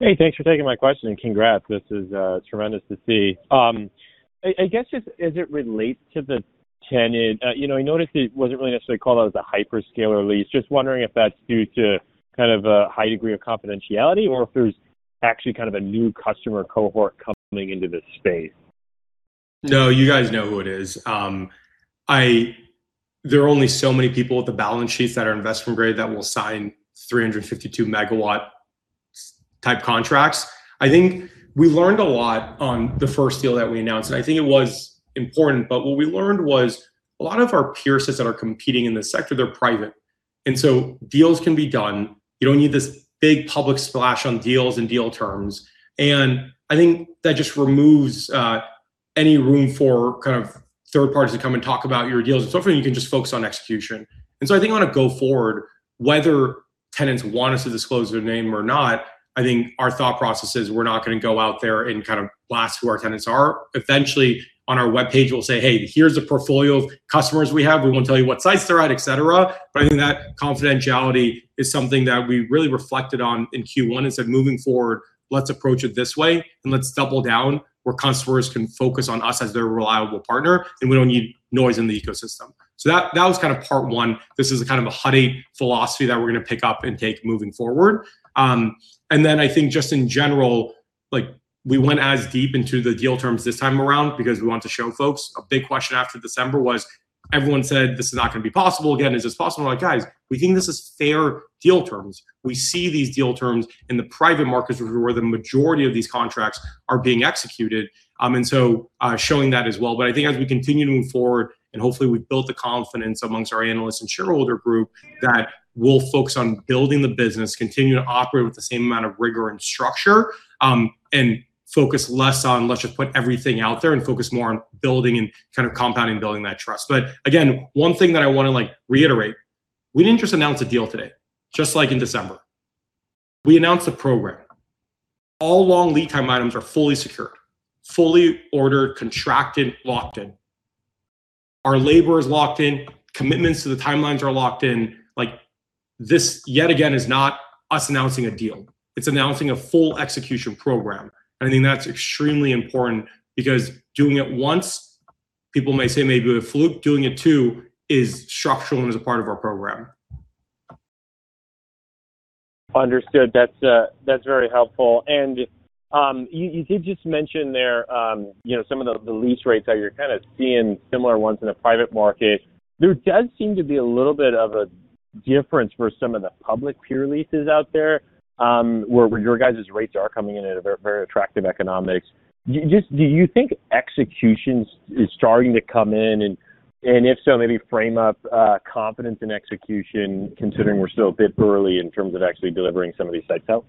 Hey, thanks for taking my question. Congrats. This is tremendous to see. I guess just as it relates to the tenant, you know, I noticed it wasn't really necessarily called out as a hyperscaler lease. Just wondering if that's due to kind of a high degree of confidentiality or if there's actually kind of a new customer cohort coming into this space. No, you guys know who it is. There are only so many people with the balance sheets that are investment grade that will sign 352 MW type contracts. I think we learned a lot on the first deal that we announced, and I think it was important, but what we learned was a lot of our peers that are competing in this sector, they're private, deals can be done. You don't need this big public splash on deals and deal terms. I think that just removes any room for kind of third parties to come and talk about your deals and so forth, and you can just focus on execution. I think on a go forward, whether tenants want us to disclose their name or not, I think our thought process is we're not going to go out there and kind of blast who our tenants are. Eventually, on our webpage, we'll say, "Hey, here's a portfolio of customers we have." We won't tell you what sites they're at, et cetera. I think that confidentiality is something that we really reflected on in Q1 and said, "Moving forward, let's approach it this way, and let's double down where customers can focus on us as their reliable partner, and we don't need noise in the ecosystem." That, that was kind of part one. This is a kind of a Hut 8 philosophy that we're going to pick up and take moving forward. I think just in general, like we went as deep into the deal terms this time around because we want to show folks a big question after December was everyone said, "This is not going to be possible again. Is this possible?" We're like, "Guys, we think this is fair deal terms. We see these deal terms in the private markets where the majority of these contracts are being executed." Showing that as well. I think as we continue to move forward, and hopefully we've built the confidence amongst our analysts and shareholder group that we'll focus on building the business, continue to operate with the same amount of rigor and structure, and focus less on let's just put everything out there and focus more on building and kind of compounding, building that trust. Again, one thing that I want to like reiterate, we didn't just announce a deal today, just like in December. We announced a program. All long lead time items are fully secured, fully ordered, contracted, locked in. Our labor is locked in, commitments to the timelines are locked in. Like this, yet again, is not us announcing a deal. It's announcing a full execution program. I think that's extremely important because doing it once, people may say maybe a fluke. Doing it 2 is structural and is a part of our program. Understood. That's, that's very helpful. You did just mention there, you know, some of the lease rates that you're kind of seeing similar ones in the private market. There does seem to be a little bit of a difference for some of the public peer leases out there, where your guys' rates are coming in at a very, very attractive economics. Do you think execution is starting to come in? If so, maybe frame up, confidence in execution, considering we're still a bit early in terms of actually delivering some of these sites out.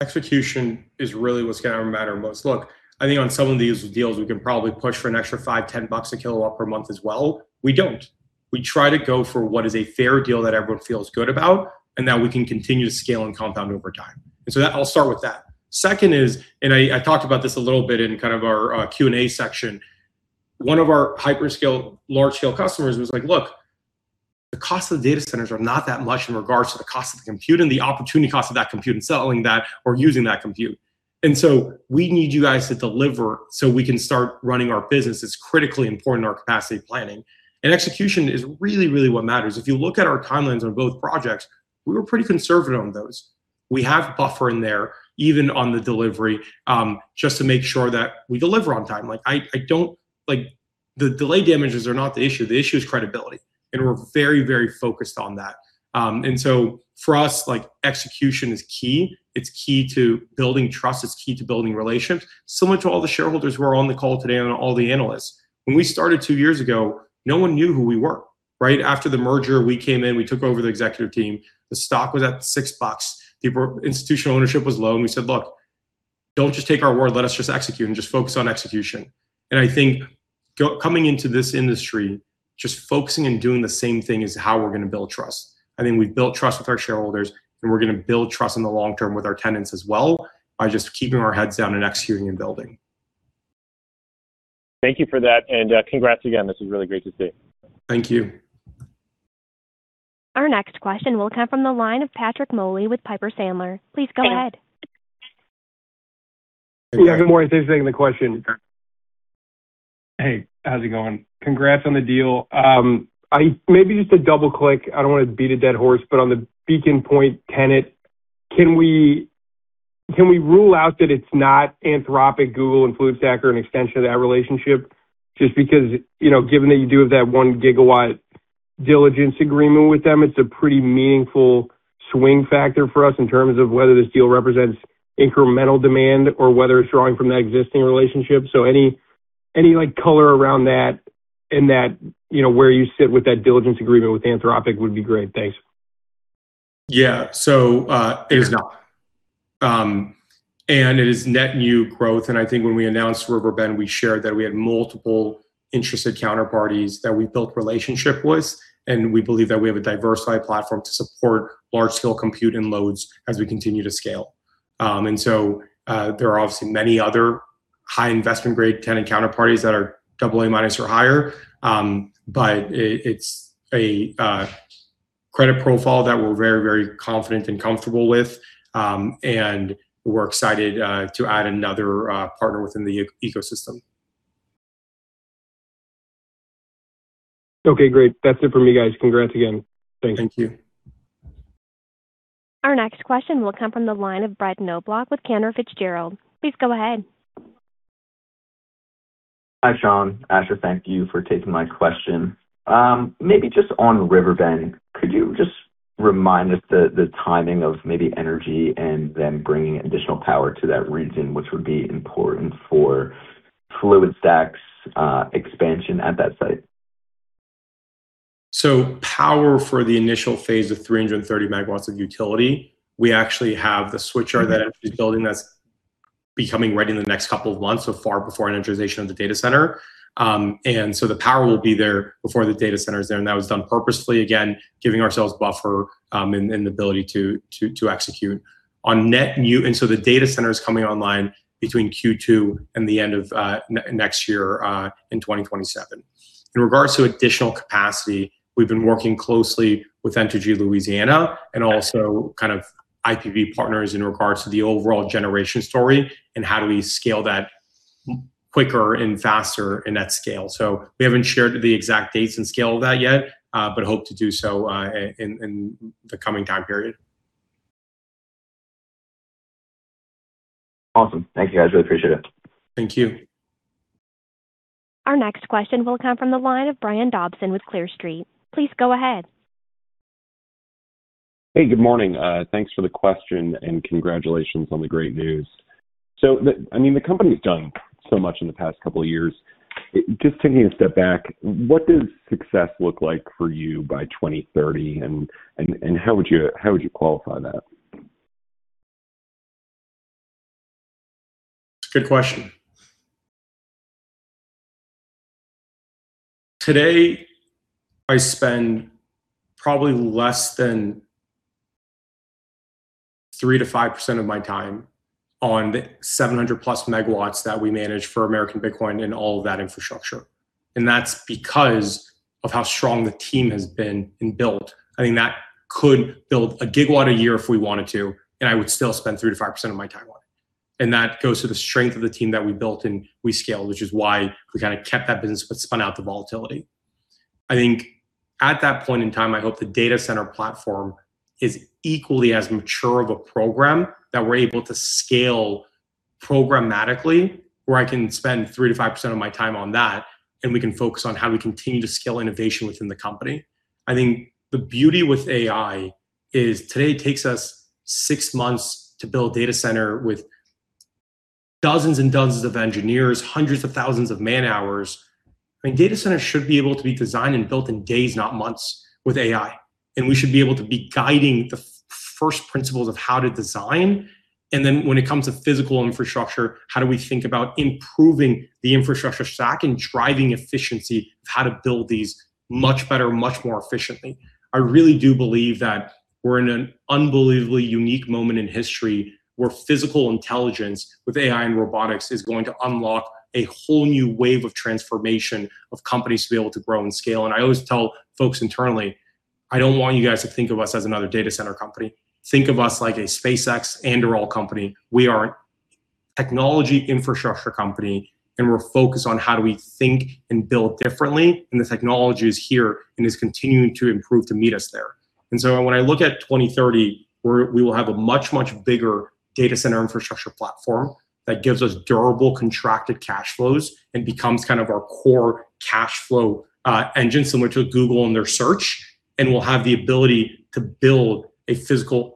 Execution is really what's going to matter most. Look, I think on some of these deals, we can probably push for an extra 5, 10 bucks a kilowatt per month as well. We don't. We try to go for what is a fair deal that everyone feels good about and that we can continue to scale and compound over time. That. I'll start with that. Second is, I talked about this a little bit in kind of our Q&A section, one of our hyperscale, large-scale customers was like, "Look, the cost of data centers are not that much in regards to the cost of the compute and the opportunity cost of that compute and selling that or using that compute. We need you guys to deliver so we can start running our business. It's critically important to our capacity planning." Execution is really what matters. If you look at our timelines on both projects, we were pretty conservative on those. We have buffer in there, even on the delivery, just to make sure that we deliver on time. Like the delay damages are not the issue. The issue is credibility. We're very focused on that. For us, like execution is key. It's key to building trust. It's key to building relations. Similar to all the shareholders who are on the call today and all the analysts, when we started 2 years ago, no one knew who we were, right? After the merger, we came in, we took over the executive team. The stock was at 6 bucks. The institutional ownership was low, and we said, "Look, don't just take our word. Let us just execute and just focus on execution." I think coming into this industry, just focusing and doing the same thing is how we're going to build trust. I think we've built trust with our shareholders, and we're going to build trust in the long term with our tenants as well by just keeping our heads down and executing and building. Thank you for that. Congrats again. This is really great to see. Thank you. Our next question will come from the line of Patrick Moley with Piper Sandler. Please go ahead. Yeah. Good morning. Thanks for taking the question. Hey, how's it going? Congrats on the deal. Maybe just to double-click, I don't wanna beat a dead horse, on the Beacon Point tenant, can we, can we rule out that it's not Anthropic, Google, and FluidStack are an extension of that relationship? Because, you know, given that you do have that 1 GW diligence agreement with them, it's a pretty meaningful swing factor for us in terms of whether this deal represents incremental demand or whether it's drawing from that existing relationship. Any, any, like, color around that and that, you know, where you sit with that diligence agreement with Anthropic would be great. Thanks. Yeah. It is not. It is net new growth, and I think when we announced Riverbend, we shared that we had multiple interested counterparties that we built relationship with, and we believe that we have a diversified platform to support large-scale compute and loads as we continue to scale. There are obviously many other high investment grade tenant counterparties that are AA- or higher. But it's a credit profile that we're very, very confident and comfortable with, and we're excited to add another partner within the e-ecosystem. Okay, great. That's it for me, guys. Congrats again. Thanks. Thank you. Our next question will come from the line of Brett Knoblauch with Cantor Fitzgerald. Please go ahead. Hi, Sean. Asher, thank you for taking my question. Maybe just on Riverbend, could you just remind us the timing of Entergy and then bringing additional power to that region, which would be important for FluidStack's expansion at that site? Power for the initial phase of 330 MW of utility, we actually have the switch yard that Entergy's building that's becoming ready in the next couple of months so far before initialization of the data center. The power will be there before the data center's there, and that was done purposefully, again, giving ourselves buffer, and the ability to execute. On net new. The data center's coming online between Q2 and the end of next year, in 2027. In regards to additional capacity, we've been working closely with Entergy Louisiana and also kind of IPP partners in regards to the overall generation story and how do we scale that quicker and faster and at scale. We haven't shared the exact dates and scale of that yet, but hope to do so in the coming time period. Awesome. Thank you, guys. Really appreciate it. Thank you. Our next question will come from the line of Brian Dobson with Clear Street. Please go ahead. Hey, good morning. Thanks for the question, and congratulations on the great news. I mean, the company's done so much in the past couple of years. Just taking a step back, what does success look like for you by 2030, and how would you qualify that? Good question. Today, I spend probably less than 3% to 5% of my time on the 700+ MW that we manage for American Bitcoin and all of that infrastructure, and that's because of how strong the team has been and built. I mean, that could build 1 gigawatt a year if we wanted to, and I would still spend 3% to 5% of my time on it. That goes to the strength of the team that we built and we scaled, which is why we kind of kept that business but spun out the volatility. I think at that point in time, I hope the data center platform is equally as mature of a program that we're able to scale programmatically, where I can spend 3%-5% of my time on that, and we can focus on how we continue to scale innovation within the company. I think the beauty with AI is today it takes us 6 months to build data center with dozens and dozens of engineers, hundreds of thousands of man-hours. I mean, data centers should be able to be designed and built in days, not months, with AI. We should be able to be guiding the first principles of how to design and then when it comes to physical infrastructure, how do we think about improving the infrastructure stack and driving efficiency of how to build these much better, much more efficiently? I really do believe that we're in an unbelievably unique moment in history where physical intelligence with AI and robotics is going to unlock a whole new wave of transformation of companies to be able to grow and scale. I always tell folks internally, "I don't want you guys to think of us as another data center company. Think of us like a SpaceX and real company." We are a technology infrastructure company, and we're focused on how do we think and build differently, and the technology is here and is continuing to improve to meet us there. When I look at 2030, we will have a much bigger data center infrastructure platform that gives us durable contracted cash flows and becomes kind of our core cash flow engine, similar to Google and their search, and we'll have the ability to build a physical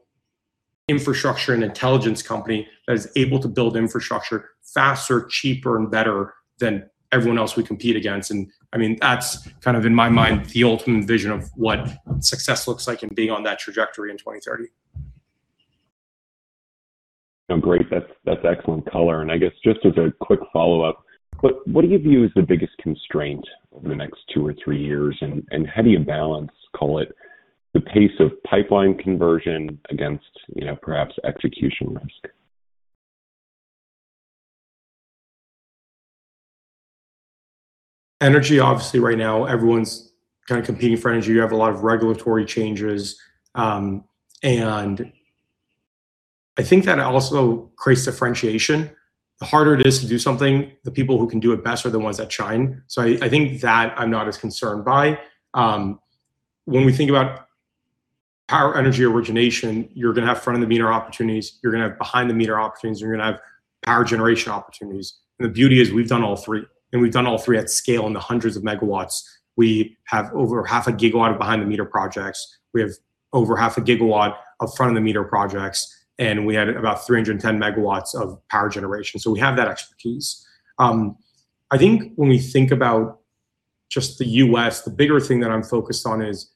infrastructure and intelligence company that is able to build infrastructure faster, cheaper, and better than everyone else we compete against. I mean, that's kind of, in my mind, the ultimate vision of what success looks like and being on that trajectory in 2030. No, great. That's excellent color. I guess just as a quick follow-up, what do you view as the biggest constraint in the next two or three years, and how do you balance, call it, the pace of pipeline conversion against, you know, perhaps execution risk? Energy, obviously right now everyone's kind of competing for Entergy. You have a lot of regulatory changes. I think that also creates differentiation. The harder it is to do something, the people who can do it best are the ones that shine. I think that I'm not as concerned by. When we think about power Entergy origination, you're gonna have front-of-the-meter opportunities, you're gonna have behind-the-meter opportunities, and you're gonna have power generation opportunities. The beauty is we've done all three, and we've done all three at scale in the hundreds of MW. We have over half a gigawatt of behind-the-meter projects. We have over half a gigawatt of front-of-the-meter projects, and we had about 310 MW of power generation. We have that expertise. I think when we think about just the U.S., the bigger thing that I'm focused on is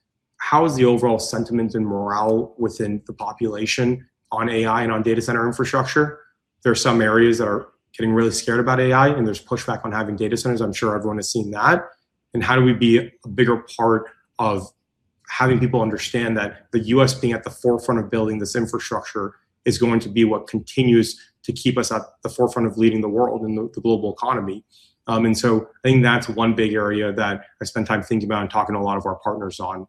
how is the overall sentiment and morale within the population on AI and on data center infrastructure. There are some areas that are getting really scared about AI, there's pushback on having data centers. I'm sure everyone has seen that. How do we be a bigger part of having people understand that the U.S. being at the forefront of building this infrastructure is going to be what continues to keep us at the forefront of leading the world in the global economy. I think that's one big area that I spend time thinking about and talking to a lot of our partners on.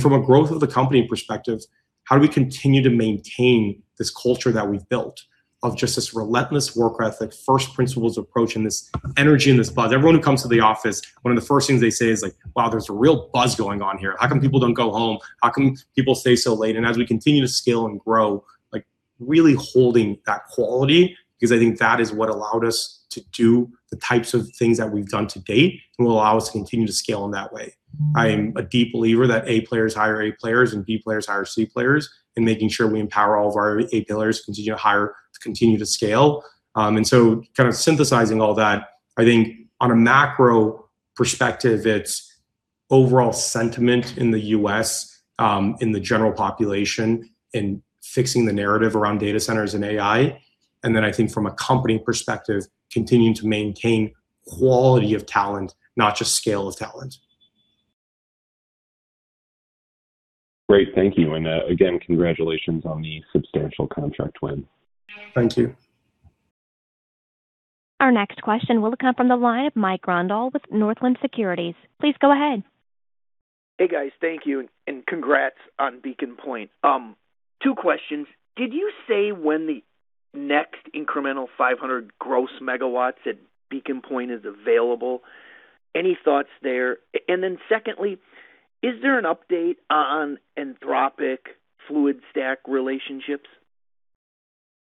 From a growth of the company perspective, how do we continue to maintain this culture that we've built of just this relentless work ethic, first principles approach, and this energy and this buzz. Everyone who comes to the office, one of the first things they say is like, "Wow, there's a real buzz going on here. How come people don't go home? How come people stay so late?" As we continue to scale and grow, like really holding that quality, because I think that is what allowed us to do the types of things that we've done to date and will allow us to continue to scale in that way. I am a deep believer that A players hire A players and B players hire C players, and making sure we empower all of our A players to continue to hire, to continue to scale. Kind of synthesizing all that, I think on a macro perspective, it's overall sentiment in the U.S., in the general population and fixing the narrative around data centers and AI. I think from a company perspective, continuing to maintain quality of talent, not just scale of talent. Great. Thank you. Again, congratulations on the substantial contract win. Thank you. Our next question will come from the line of Mike Grondahl with Northland Securities. Please go ahead. Hey, guys. Thank you, and congrats on Beacon Point. 2 questions. Did you say when the next incremental 500 gross MW at Beacon Point is available? Any thoughts there? Then secondly, is there an update on Anthropic FluidStack relationships?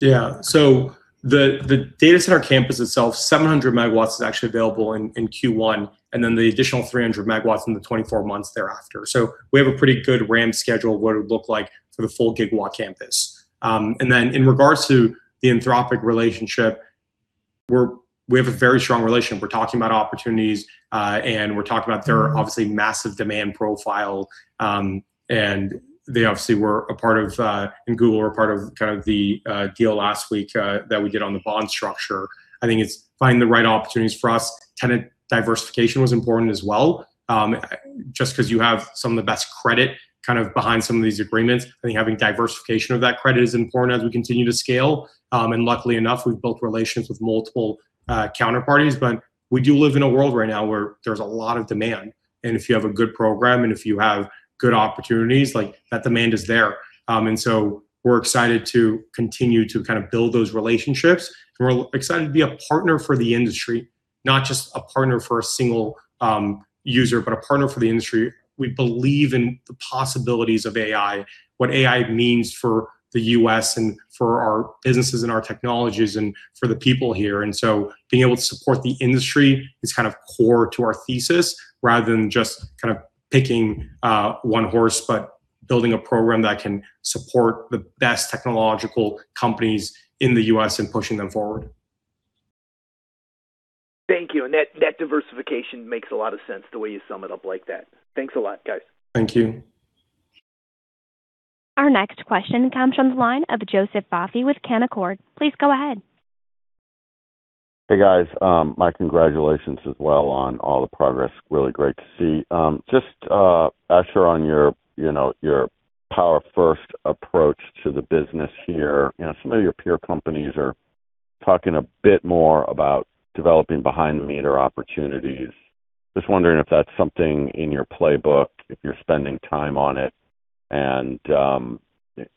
The data center campus itself, 700 MW is actually available in Q1, and then the additional 300 MW in the 24 months thereafter. We have a pretty good ramp schedule of what it would look like for the full gigawatt campus. In regards to the Anthropic relationship, we have a very strong relationship. We're talking about opportunities, and we're talking about their obviously massive demand profile. They obviously were a part of, and Google were part of kind of the deal last week that we did on the bond structure. I think it's finding the right opportunities for us. Tenant diversification was important as well. Just 'cause you have some of the best credit kind of behind some of these agreements, I think having diversification of that credit is important as we continue to scale. Luckily enough, we've built relations with multiple counterparties. We do live in a world right now where there's a lot of demand, and if you have a good program and if you have good opportunities, that demand is there. We're excited to continue to build those relationships. We're excited to be a partner for the industry, not just a partner for a single user, but a partner for the industry. We believe in the possibilities of AI, what AI means for the U.S. and for our businesses and our technologies and for the people here. Being able to support the industry is kind of core to our thesis rather than just kind of picking one horse, but building a program that can support the best technological companies in the U.S. and pushing them forward. Thank you. That diversification makes a lot of sense the way you sum it up like that. Thanks a lot, guys. Thank you. Our next question comes from the line of Joseph Vafi with Canaccord Genuity. Please go ahead. Hey, guys. My congratulations as well on all the progress. Really great to see. Just, Asher, on your, you know, your power first approach to the business here. You know, some of your peer companies are talking a bit more about developing behind-the-meter opportunities. Just wondering if that's something in your playbook, if you're spending time on it, and,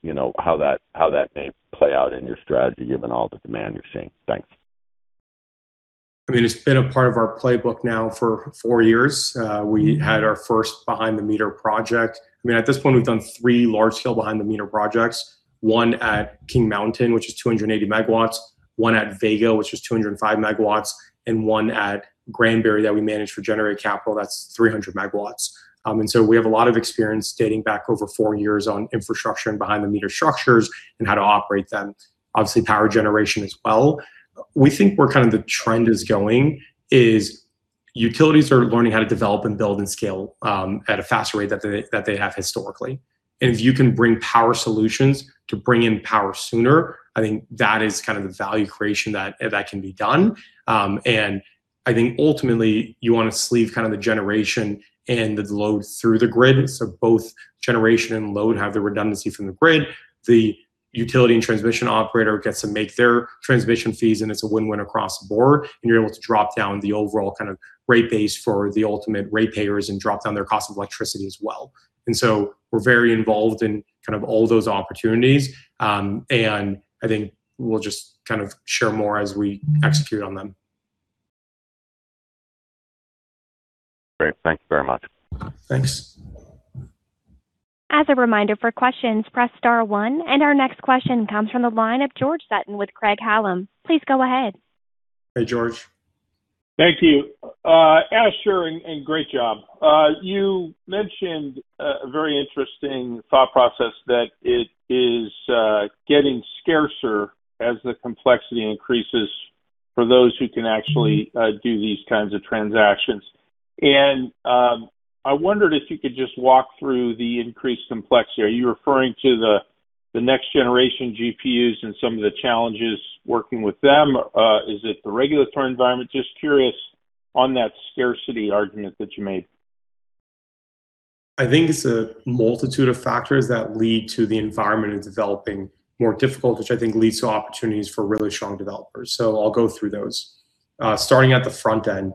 you know, how that may play out in your strategy given all the demand you're seeing. Thanks. I mean, it's been a part of our playbook now for 4 years. We had our first behind-the-meter project. I mean, at this point, we've done 3 large-scale behind-the-meter projects, one at King Mountain, which is 280 MW, one at Vega, which is 205 MW and one at Granbury that we manage for Generate Capital. That's 300 MW. We have a lot of experience dating back over 4 years on infrastructure and behind-the-meter structures and how to operate them. Obviously, power generation as well. We think where kind of the trend is going is, utilities are learning how to develop and build and scale at a faster rate that they have historically. If you can bring power solutions to bring in power sooner, I think that is kind of the value creation that can be done. I think ultimately you want to sleeve kind of the generation and the load through the grid. Both generation and load have the redundancy from the grid. The utility and transmission operator gets to make their transmission fees, it's a win-win across the board, you're able to drop down the overall kind of rate base for the ultimate rate payers and drop down their cost of electricity as well. We're very involved in kind of all those opportunities. I think we'll just kind of share more as we execute on them. Great. Thank you very much. Thanks. As a reminder, for questions, press star one, and our next question comes from the line of George Sutton with Craig-Hallum. Please go ahead. Hey, George. Thank you. Asher, and great job. You mentioned a very interesting thought process that it is getting scarcer as the complexity increases for those who can actually do these kinds of transactions. I wondered if you could just walk through the increased complexity. Are you referring to the next generation GPUs and some of the challenges working with them? Is it the regulatory environment? Just curious on that scarcity argument that you made. I think it's a multitude of factors that lead to the environment in developing more difficult, which I think leads to opportunities for really strong developers. I'll go through those. Starting at the front end,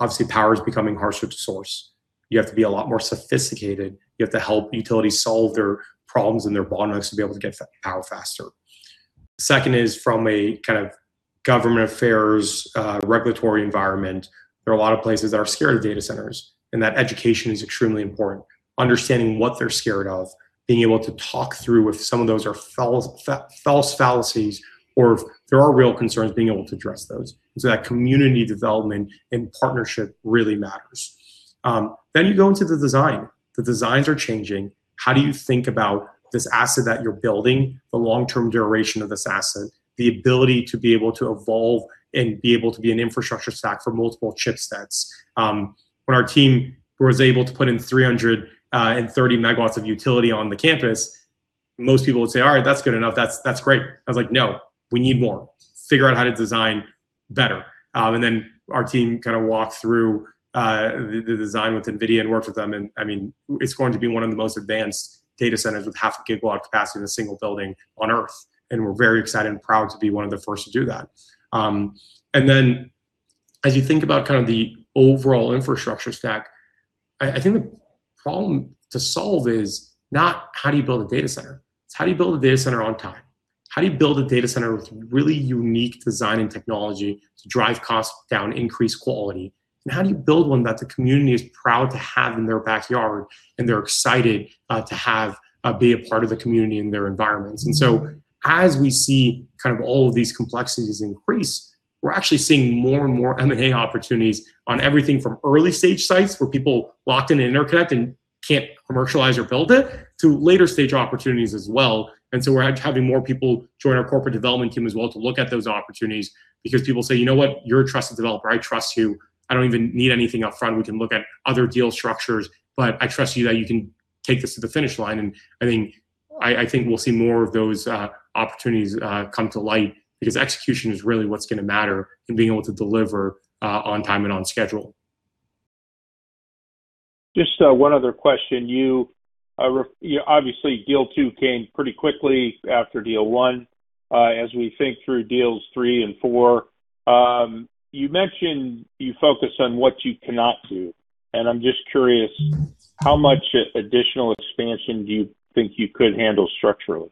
obviously power is becoming harsher to source. You have to be a lot more sophisticated. You have to help utilities solve their problems and their bottlenecks to be able to get power faster. Second is from a kind of government affairs, regulatory environment. There are a lot of places that are scared of data centers, and that education is extremely important. Understanding what they're scared of, being able to talk through if some of those are false fallacies, or if there are real concerns, being able to address those. That community development and partnership really matters. You go into the design. The designs are changing. How do you think about this asset that you're building, the long-term duration of this asset, the ability to be able to evolve and be able to be an infrastructure stack for multiple chipsets? When our team was able to put in 330 MW of utility on the campus, most people would say, "All right, that's good enough. That's great." I was like, "No, we need more. Figure out how to design better." Our team kind of walked through the design with NVIDIA and worked with them. I mean, it's going to be one of the most advanced data centers with 0.5 GW capacity in a single building on Earth. We're very excited and proud to be one of the first to do that. As you think about kind of the overall infrastructure stack, I think the problem to solve is not how do you build a data center, it's how do you build a data center on time? How do you build a data center with really unique design and technology to drive costs down, increase quality? How do you build one that the community is proud to have in their backyard, and they're excited to have be a part of the community and their environments? As we see kind of all of these complexities increase, we're actually seeing more and more M&A opportunities on everything from early stage sites where people locked in an interconnect and can't commercialize or build it to later stage opportunities as well. We're having more people join our corporate development team as well to look at those opportunities because people say, "You know what? You're a trusted developer. I trust you. I don't even need anything up front. We can look at other deal structures, but I trust you that you can take this to the finish line." I think, I think we'll see more of those opportunities come to light because execution is really what's gonna matter in being able to deliver on time and on schedule. Just one other question. You Obviously, deal 2 came pretty quickly after deal 1. As we think through deals 3 and 4, you mentioned you focus on what you cannot do, and I'm just curious, how much additional expansion do you think you could handle structurally?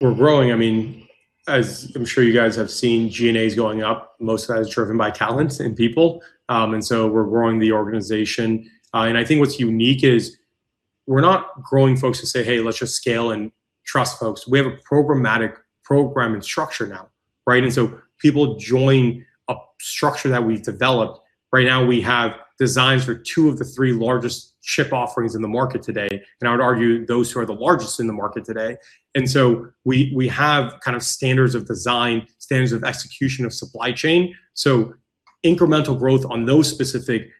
We're growing. I mean, as I'm sure you guys have seen, G&A is going up, most of that is driven by talents and people. We're growing the organization. I think what's unique is we're not growing folks who say, "Hey, let's just scale and trust folks." We have a programmatic program and structure now, right? People join a structure that we've developed. Right now we have designs for two of the three largest chip offerings in the market today, and I would argue those who are the largest in the market today. We have kind of standards of design, standards of execution of supply chain. Incremental growth on those specific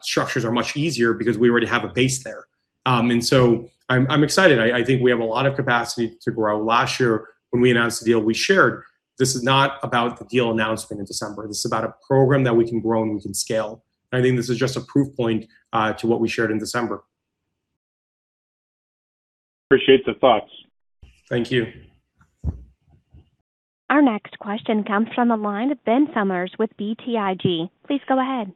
structures are much easier because we already have a base there. I'm excited. I think we have a lot of capacity to grow. Last year, when we announced the deal, we shared this is not about the deal announcement in December. This is about a program that we can grow and we can scale. I think this is just a proof point to what we shared in December. Appreciate the thoughts. Thank you. Our next question comes from the line of Ben Sommers with BTIG. Please go ahead.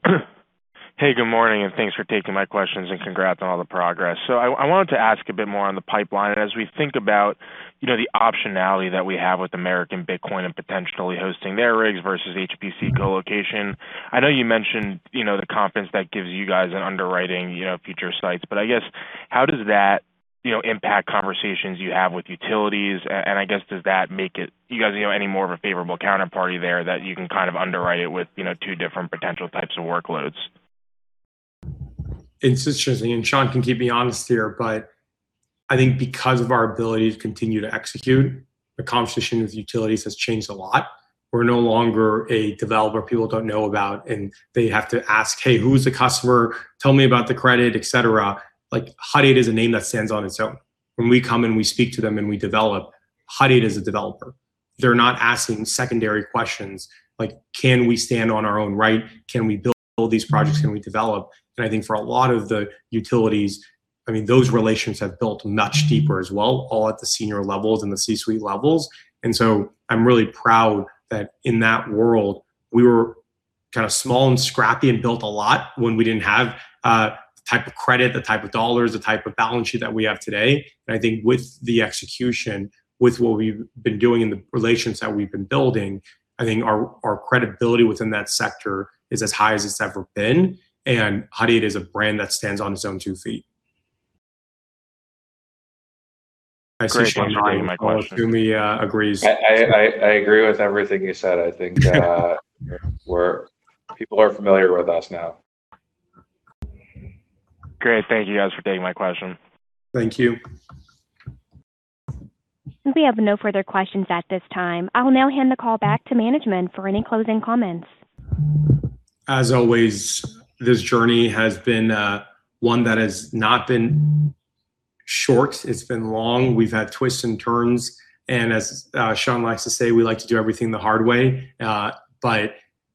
Hey, good morning. Thanks for taking my questions, and congrats on all the progress. I wanted to ask a bit more on the pipeline. As we think about, you know, the optionality that we have with American Bitcoin and potentially hosting their rigs versus HPC colocation, I know you mentioned, you know, the confidence that gives you guys in underwriting, you know, future sites, I guess how does that, you know, impact conversations you have with utilities? I guess, does that make it, you guys, you know, any more of a favorable counterparty there that you can kind of underwrite it with, you know, two different potential types of workloads? Sean can keep me honest here, but I think because of our ability to continue to execute, the competition with utilities has changed a lot. We're no longer a developer people don't know about and they have to ask, "Hey, who's the customer? Tell me about the credit," et cetera. Like, Hut 8 is a name that stands on its own. When we come and we speak to them and we develop, Hut 8 is a developer. They're not asking secondary questions like, "Can we stand on our own right? Can we build all these projects? Can we develop?" I think for a lot of the utilities, I mean, those relations have built much deeper as well, all at the senior levels and the C-suite levels. I'm really proud that in that world, we were kind of small and scrappy and built a lot when we didn't have the type of credit, the type of dollars, the type of balance sheet that we have today. I think with the execution, with what we've been doing and the relations that we've been building, I think our credibility within that sector is as high as it's ever been, and Hut 8 is a brand that stands on its own two feet. Great. Thank you for taking my question. I see Sean nodding. Tumi agrees. I agree with everything you said. I think people are familiar with us now. Great. Thank you guys for taking my question. Thank you. We have no further questions at this time. I will now hand the call back to management for any closing comments. As always, this journey has been one that has not been short. It's been long. We've had twists and turns, and as Sean likes to say, we like to do everything the hard way.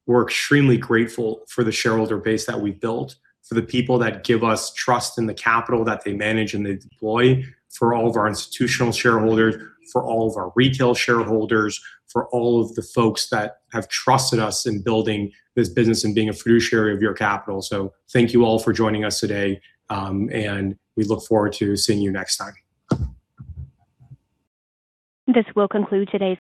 We're extremely grateful for the shareholder base that we've built, For the people that give us trust in the capital that they manage and they deploy, for all of our institutional shareholders, for all of our retail shareholders, for all of the folks that have trusted us in building this business and being a fiduciary of your capital. Thank you all for joining us today, and we look forward to seeing you next time. This will conclude today's